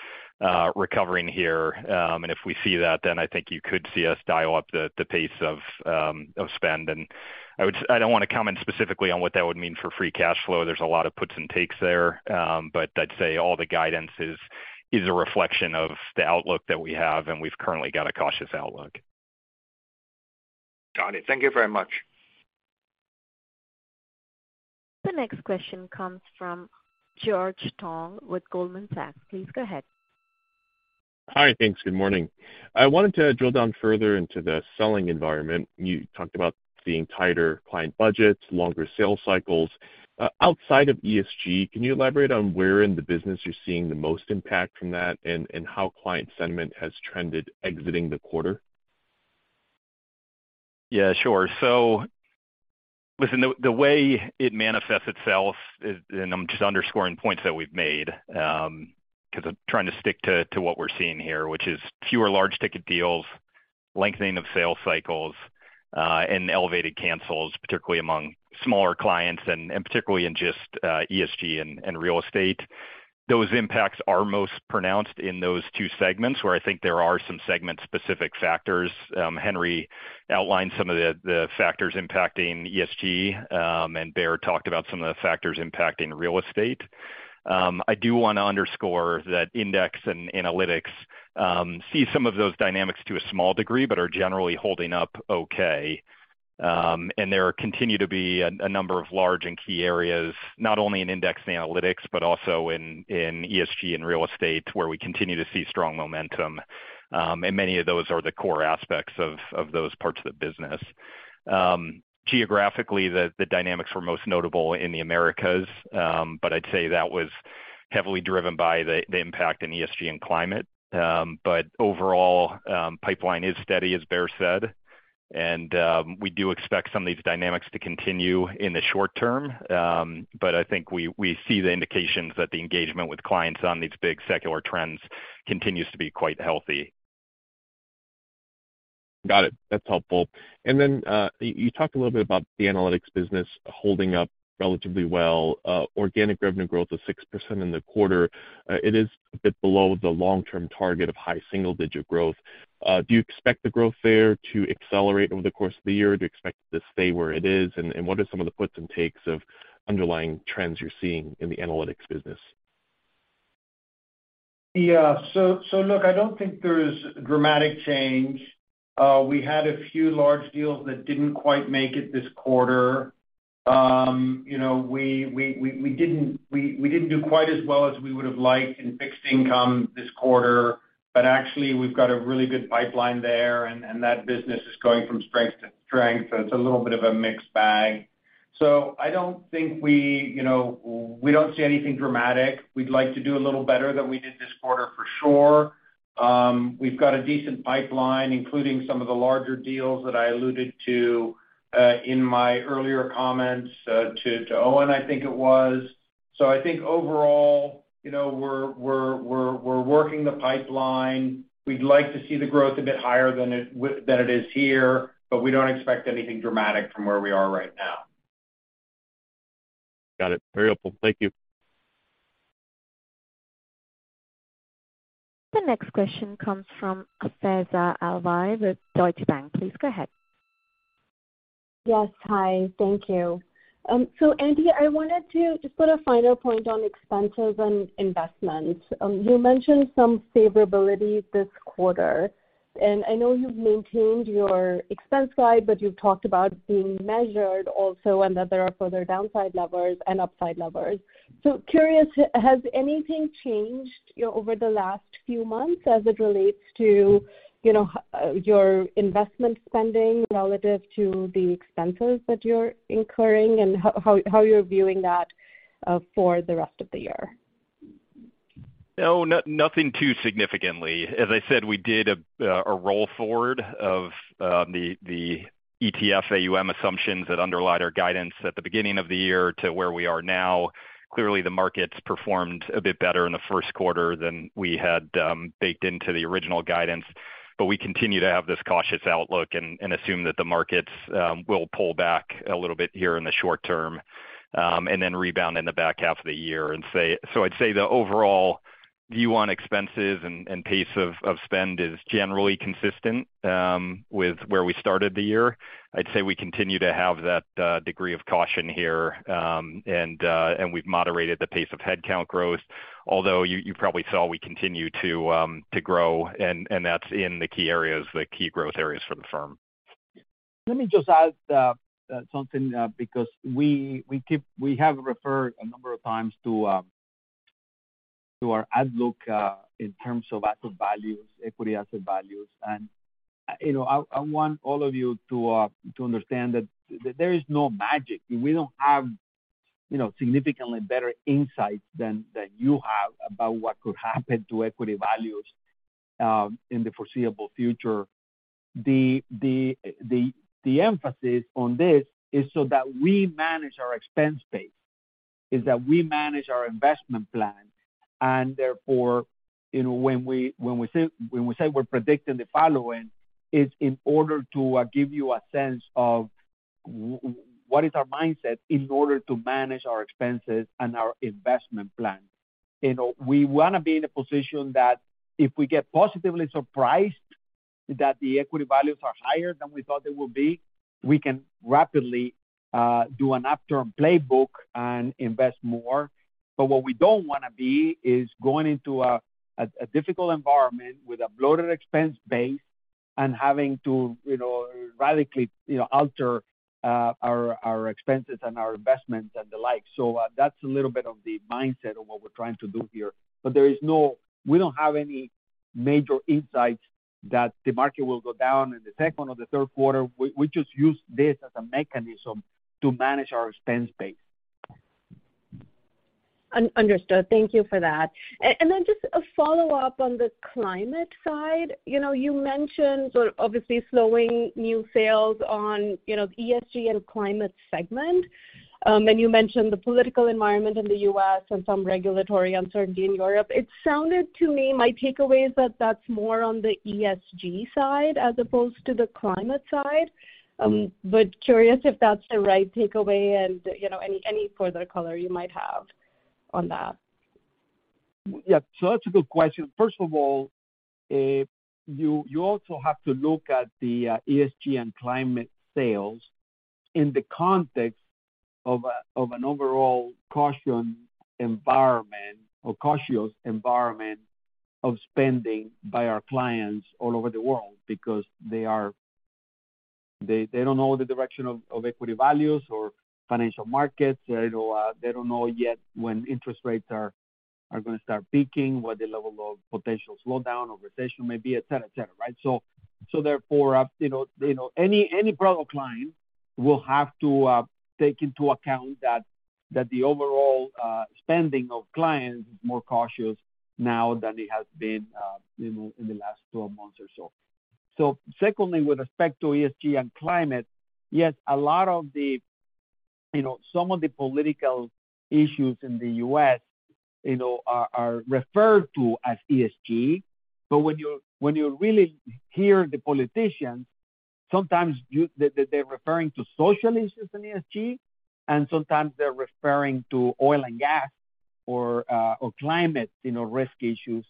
recovering here. If we see that, then I think you could see us dial up the pace of spend. I don't wanna comment specifically on what that would mean for Free Cash Flow. There's a lot of puts and takes there. I'd say all the guidance is a reflection of the outlook that we have, and we've currently got a cautious outlook. Got it. Thank you very much. The next question comes from George Tong with Goldman Sachs. Please go ahead. Hi. Thanks. Good morning. I wanted to drill down further into the selling environment. You talked about seeing tighter client budgets, longer sales cycles. Outside of ESG, can you elaborate on where in the business you're seeing the most impact from that and how client sentiment has trended exiting the quarter? Sure. Listen, the way it manifests itself is. I'm just underscoring points that we've made, 'cause I'm trying to stick to what we're seeing here, which is fewer large ticket deals, lengthening of sales cycles, and elevated cancels, particularly among smaller clients and particularly in just ESG and real estate. Those impacts are most pronounced in those two segments where I think there are some segment-specific factors. Henry outlined some of the factors impacting ESG, and Bear talked about some of the factors impacting real estate. I do wanna underscore that index and analytics see some of those dynamics to a small degree, but are generally holding up okay. There continue to be a number of large and key areas, not only in Index and Analytics, but also in ESG and real estate, where we continue to see strong momentum. Many of those are the core aspects of those parts of the business. Geographically, the dynamics were most notable in the Americas, but I'd say that was heavily driven by the impact in ESG and climate. Overall, pipeline is steady, as Baer said, and we do expect some of these dynamics to continue in the short term. I think we see the indications that the engagement with clients on these big secular trends continues to be quite healthy. Got it. That's helpful. Then, you talked a little bit about the analytics business holding up relatively well. Organic revenue growth of 6% in the quarter. It is a bit below the long-term target of high single-digit growth. Do you expect the growth there to accelerate over the course of the year? Do you expect it to stay where it is? What are some of the puts and takes of underlying trends you're seeing in the analytics business? Yeah. Look, I don't think there's dramatic change. We had a few large deals that didn't quite make it this quarter. You know, we didn't do quite as well as we would've liked in fixed income this quarter, but actually, we've got a really good pipeline there, and that business is going from strength to strength. It's a little bit of a mixed bag. I don't think we, you know, we don't see anything dramatic. We'd like to do a little better than we did this quarter for sure. We've got a decent pipeline, including some of the larger deals that I alluded to in my earlier comments to Owen, I think it was. I think overall, you know, we're working the pipeline. We'd like to see the growth a bit higher than it is here, but we don't expect anything dramatic from where we are right now. Got it. Very helpful. Thank you. The next question comes from Faiza Alwy with Deutsche Bank. Please go ahead. Yes. Hi. Thank you. Andy, I wanted to just put a finer point on expenses and investments. You mentioned some favorability this quarter. I know you've maintained your expense guide, but you've talked about being measured also, and that there are further downside levers and upside levers. Curious, has anything changed, you know, over the last few months as it relates to, you know, your investment spending relative to the expenses that you're incurring, and how you're viewing that for the rest of the year? No. Nothing too significantly. As I said, we did a roll forward of the ETF AUM assumptions that underlined our guidance at the beginning of the year to where we are now. Clearly, the markets performed a bit better in the first quarter than we had baked into the original guidance. We continue to have this cautious outlook and assume that the markets will pull back a little bit here in the short term and then rebound in the back half of the year. So I'd say the overall view on expenses and pace of spend is generally consistent with where we started the year. I'd say we continue to have that degree of caution here and we've moderated the pace of headcount growth. You probably saw we continue to grow, and that's in the key areas, the key growth areas for the firm. Let me just add something, because we have referred a number of times to our outlook, in terms of asset values, equity asset values. You know, I want all of you to understand that there is no magic. We don't have, you know, significantly better insights than you have about what could happen to equity values, in the foreseeable future. The emphasis on this is so that we manage our expense base, is that we manage our investment plan. Therefore, you know, when we say we're predicting the following, it's in order to give you a sense of what is our mindset in order to manage our expenses and our investment plan. You know, we wanna be in a position that if we get positively surprised that the equity values are higher than we thought they would be, we can rapidly do an after playbook and invest more. What we don't wanna be is going into a difficult environment with a bloated expense base and having to, you know, radically, you know, alter our expenses and our investments and the like. That's a little bit of the mindset of what we're trying to do here. There is no. We don't have any major insights that the market will go down in the second or the third quarter. We just use this as a mechanism to manage our expense base. Thank you for that. Just a follow-up on the climate side. You know, you mentioned sort of obviously slowing new sales on, you know, ESG and climate segment. You mentioned the political environment in the U.S. and some regulatory uncertainty in Europe. It sounded to me, my takeaway is that that's more on the ESG side as opposed to the climate side. Curious if that's the right takeaway and, you know, any further color you might have on that. That's a good question. First of all, you also have to look at the ESG and climate sales in the context of an overall caution environment or cautious environment of spending by our clients all over the world because they don't know the direction of equity values or financial markets. You know, they don't know yet when interest rates are gonna start peaking, what the level of potential slowdown or recession may be, et cetera, et cetera. Right. Therefore, you know, any private client will have to take into account that the overall spending of clients is more cautious now than it has been, you know, in the last 12 months or so. Secondly, with respect to ESG and climate, yes, a lot of the, you know, some of the political issues in the U.S., you know, are referred to as ESG. When you really hear the politicians, sometimes they're referring to social issues in ESG, and sometimes they're referring to oil and gas or or climate, you know, risk issues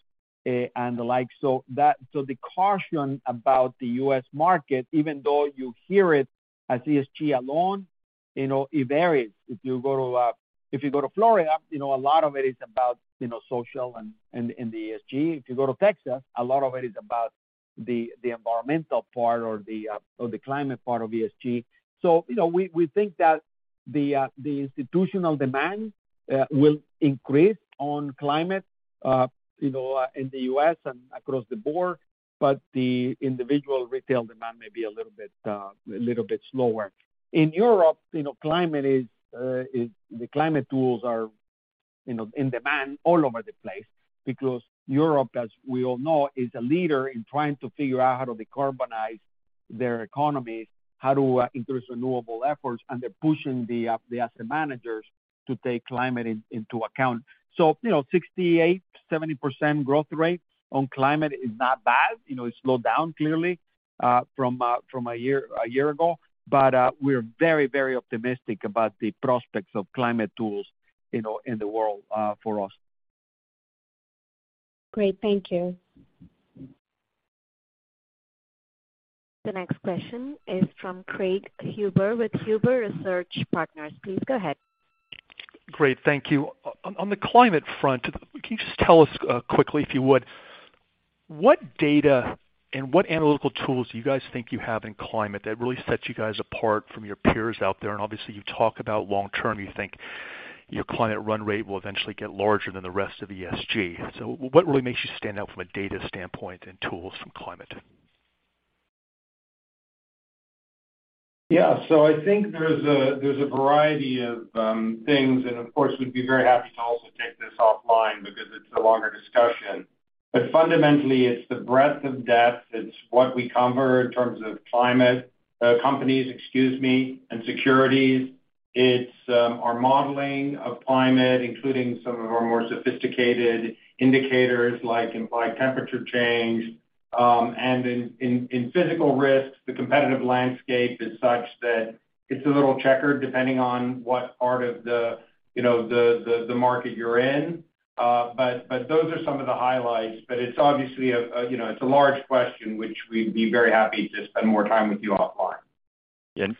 and the like. The caution about the U.S. market, even though you hear it as ESG alone, you know, it varies. If you go to Florida, you know, a lot of it is about, you know, social and ESG. If you go to Texas, a lot of it is about the environmental part or the climate part of ESG. you know, we think that the institutional demand will increase on climate, you know, in the U.S. and across the board, but the individual retail demand may be a little bit a little bit slower. In Europe, you know, climate is the climate tools are, you know, in demand all over the place because Europe, as we all know, is a leader in trying to figure out how to decarbonize their economies, how to increase renewable efforts, and they're pushing the asset managers to take climate into account. you know, 68, 70% growth rate on climate is not bad. You know, it's slowed down clearly from a year ago. we're very, very optimistic about the prospects of climate tools, you know, in the world for us. Great. Thank you. The next question is from Craig Huber with Huber Research Partners. Please go ahead. Great. Thank you. On the climate front, can you just tell us, quickly, if you would, what data and what analytical tools do you guys think you have in climate that really sets you guys apart from your peers out there? Obviously, you talk about long term, you think your climate run rate will eventually get larger than the rest of ESG. What really makes you stand out from a data standpoint and tools from climate? I think there's a variety of things. Of course, we'd be very happy to also take this offline because it's a longer discussion. Fundamentally, it's the breadth of depth. It's what we cover in terms of climate, companies, excuse me, and securities. It's our modeling of climate, including some of our more sophisticated indicators like Implied Temperature Rise. And in physical risks, the competitive landscape is such that it's a little checkered depending on what part of the, you know, the market you're in. But those are some of the highlights. It's obviously a, you know, it's a large question which we'd be very happy to spend more time with you offline.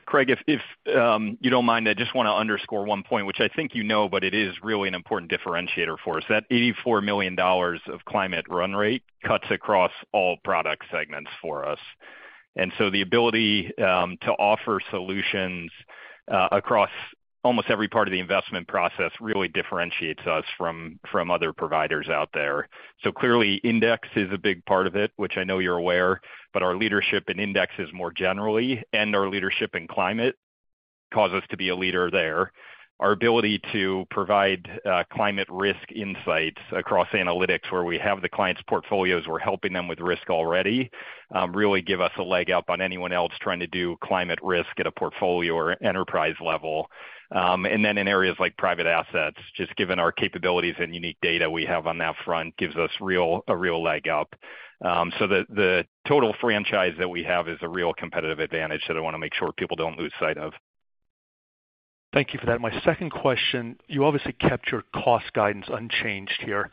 Craig, if you don't mind, I just wanna underscore one point, which I think you know, but it is really an important differentiator for us. That $84 million of climate run rate cuts across all product segments for us. The ability to offer solutions across almost every part of the investment process really differentiates us from other providers out there. Clearly, index is a big part of it, which I know you're aware, but our leadership in index is more generally, and our leadership in climate causes us to be a leader there. Our ability to provide climate risk insights across analytics where we have the client's portfolios, we're helping them with risk already, really give us a leg up on anyone else trying to do climate risk at a portfolio or enterprise level. In areas like private assets, just given our capabilities and unique data we have on that front gives us a real leg up. The total franchise that we have is a real competitive advantage that I wanna make sure people don't lose sight of. Thank you for that. My second question, you obviously kept your cost guidance unchanged here.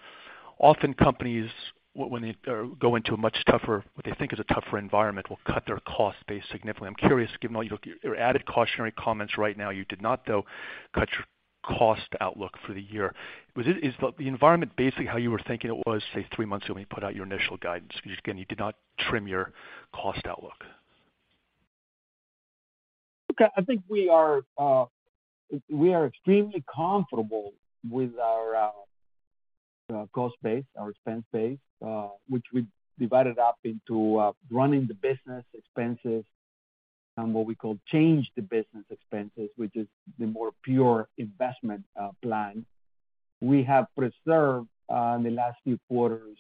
Often companies when they go into a much tougher, what they think is a tougher environment, will cut their cost base significantly. I'm curious, given all your added cautionary comments right now, you did not though cut your cost outlook for the year. Is the environment basically how you were thinking it was, say, 3 months ago when you put out your initial guidance? Again, you did not trim your cost outlook. Look, I think we are, we are extremely comfortable with our cost base, our expense base, which we divided up into running the business expenses and what we call change the business expenses, which is the more pure investment plan. We have preserved in the last few quarters,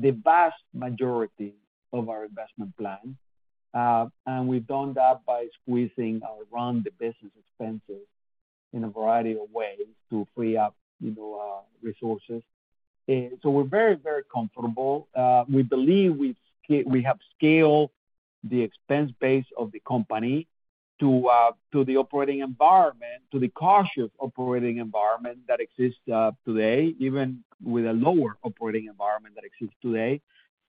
the vast majority of our investment plan. We've done that by squeezing our run the business expenses in a variety of ways to free up, you know, resources. We're very, very comfortable. We believe we have scaled the expense base of the company to the operating environment, to the cautious operating environment that exists today, even with a lower operating environment that exists today.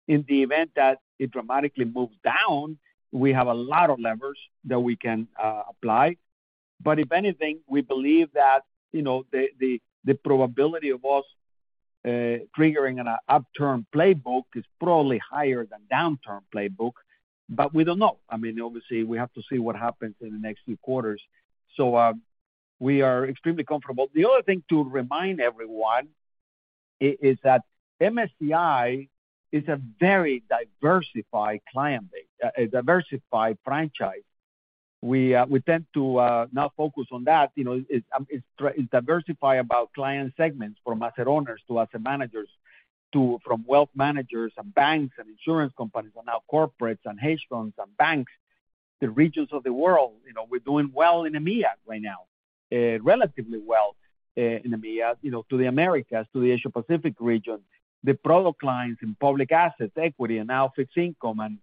In the event that it dramatically moves down, we have a lot of levers that we can apply. If anything, we believe that, you know, the probability of us triggering an upturn playbook is probably higher than downturn playbook, but we don't know. I mean, obviously, we have to see what happens in the next few quarters. We are extremely comfortable. The other thing to remind everyone is that MSCI is a very diversified client base, a diversified franchise. We tend to not focus on that. You know, it's diversified about client segments from asset owners to asset managers, to wealth managers and banks and insurance companies are now corporates and hedge funds and banks. The regions of the world, you know, we're doing well in EMEA right now, relatively well in EMEA, to the Americas, to the Asia Pacific region. The product lines in public assets, equity and now fixed income and,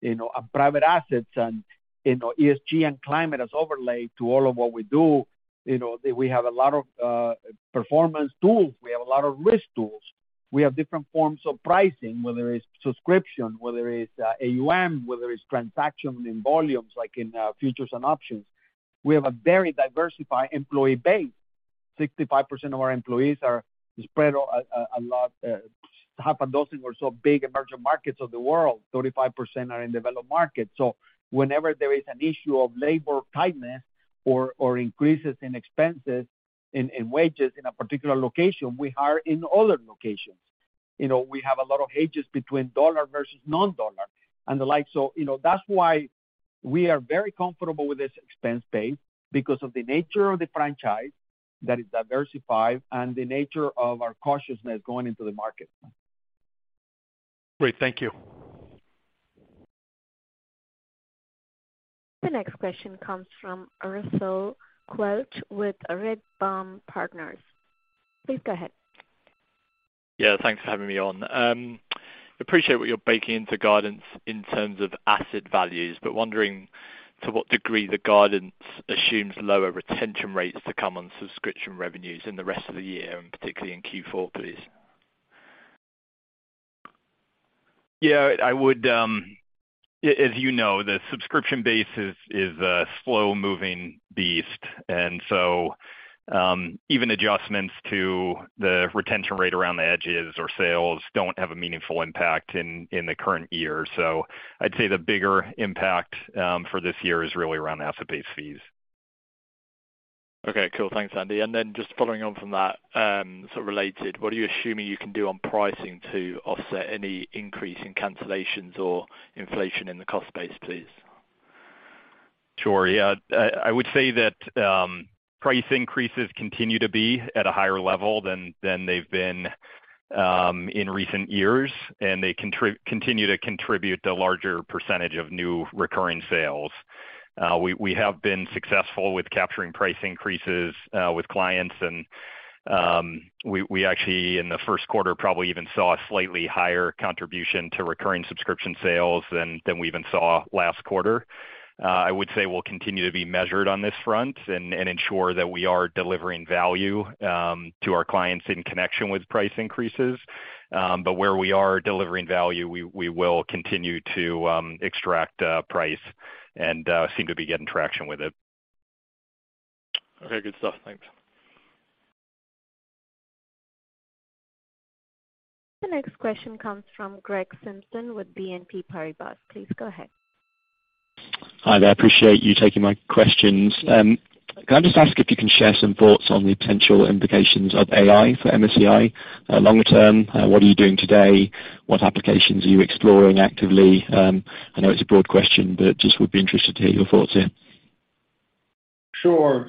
you know, private assets and, you know, ESG and climate as overlay to all of what we do. You know, we have a lot of performance tools. We have a lot of risk tools. We have different forms of pricing, whether it's subscription, whether it's AUM, whether it's transaction in volumes, like in futures and options. We have a very diversified employee base. 65% of our employees are spread over a lot, half a dozen or so big emerging markets of the world. 35% are in developed markets. Whenever there is an issue of labor tightness or increases in expenses in wages in a particular location, we hire in other locations. You know, we have a lot of hedges between dollar versus non-dollar and the like. You know, that's why we are very comfortable with this expense base because of the nature of the franchise that is diversified and the nature of our cautiousness going into the market. Great. Thank you. The next question comes from Russell Quelch with Redburn Partners. Please go ahead. Yeah, thanks for having me on. Appreciate what you're baking into guidance in terms of asset values, wondering to what degree the guidance assumes lower retention rates to come on subscription revenues in the rest of the year, and particularly in Q4, please. Yeah, I would, as you know, the subscription base is a slow-moving beast. Even adjustments to the retention rate around the edges or sales don't have a meaningful impact in the current year. I'd say the bigger impact for this year is really around asset-based fees. Okay, cool. Thanks, Andy. Just following on from that, sort of related, what are you assuming you can do on pricing to offset any increase in cancellations or inflation in the cost base, please? Sure. Yeah. I would say that price increases continue to be at a higher level than they've been in recent years, and they continue to contribute to a larger percentage of new recurring sales. We have been successful with capturing price increases with clients. We actually in the first quarter, probably even saw a slightly higher contribution to recurring subscription sales than we even saw last quarter. I would say we'll continue to be measured on this front and ensure that we are delivering value to our clients in connection with price increases. Where we are delivering value, we will continue to extract price and seem to be getting traction with it. Okay. Good stuff. Thanks. The next question comes from Gregory Simpson with BNP Paribas. Please go ahead. Hi there. I appreciate you taking my questions. Can I just ask if you can share some thoughts on the potential implications of AI for MSCI, longer term? What are you doing today? What applications are you exploring actively? I know it's a broad question, but just would be interested to hear your thoughts here. Sure.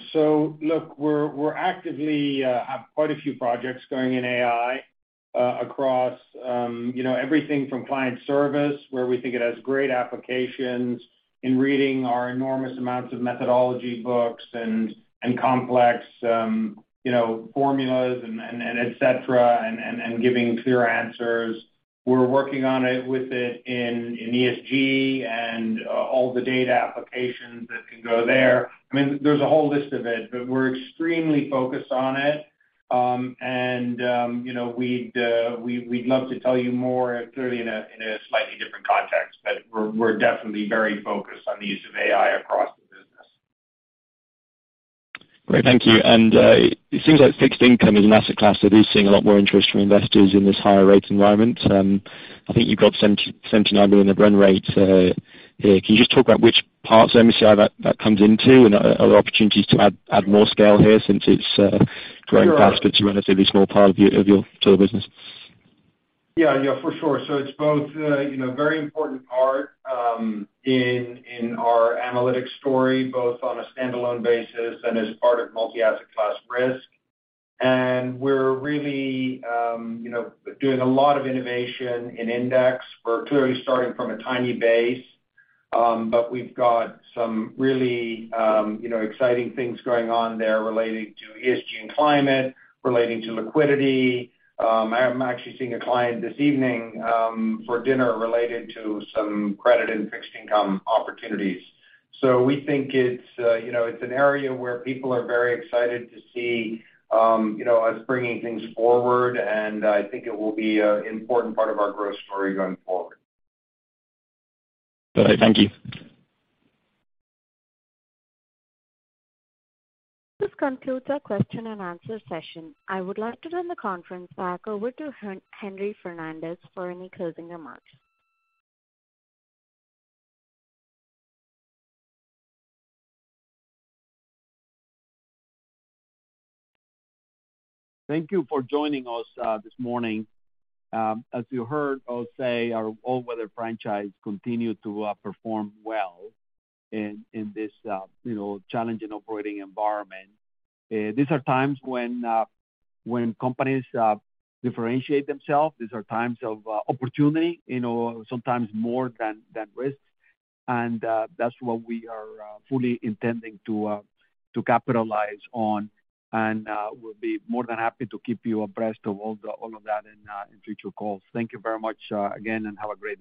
Look, we're actively have quite a few projects going in AI across, you know, everything from client service, where we think it has great applications in reading our enormous amounts of methodology books and complex, you know, formulas and et cetera, and giving clear answers. We're working on it with it in ESG and all the data applications that can go there. I mean, there's a whole list of it, but we're extremely focused on it. You know, we'd love to tell you more clearly in a slightly different context, but we're definitely very focused on the use of AI across the business. Great. Thank you. It seems like fixed income is an asset class that is seeing a lot more interest from investors in this higher rate environment. I think you've got $79 million of run rate here. Can you just talk about which parts of MSCI that comes into and other opportunities to add more scale here since it's growing fast, but it's a relatively small part of your total business. Yeah. Yeah, for sure. It's both, you know, very important part in our analytics story, both on a standalone basis and as part of multi-asset class risk. We're really, you know, doing a lot of innovation in index. We're clearly starting from a tiny base. We've got some really, you know, exciting things going on there relating to ESG and climate, relating to liquidity. I am actually seeing a client this evening for dinner related to some credit and fixed income opportunities. We think it's, you know, it's an area where people are very excited to see, you know, us bringing things forward, and I think it will be a important part of our growth story going forward. Okay. Thank you. This concludes our question and answer session. I would like to turn the conference back over to Henry Fernandez for any closing remarks. Thank you for joining us this morning. As you heard José, our All-Weather franchise continued to perform well in this, you know, challenging operating environment. These are times when companies differentiate themselves. These are times of opportunity, you know, sometimes more than risks. That's what we are fully intending to capitalize on. We'll be more than happy to keep you abreast of all of that in future calls. Thank you very much again, and have a great day.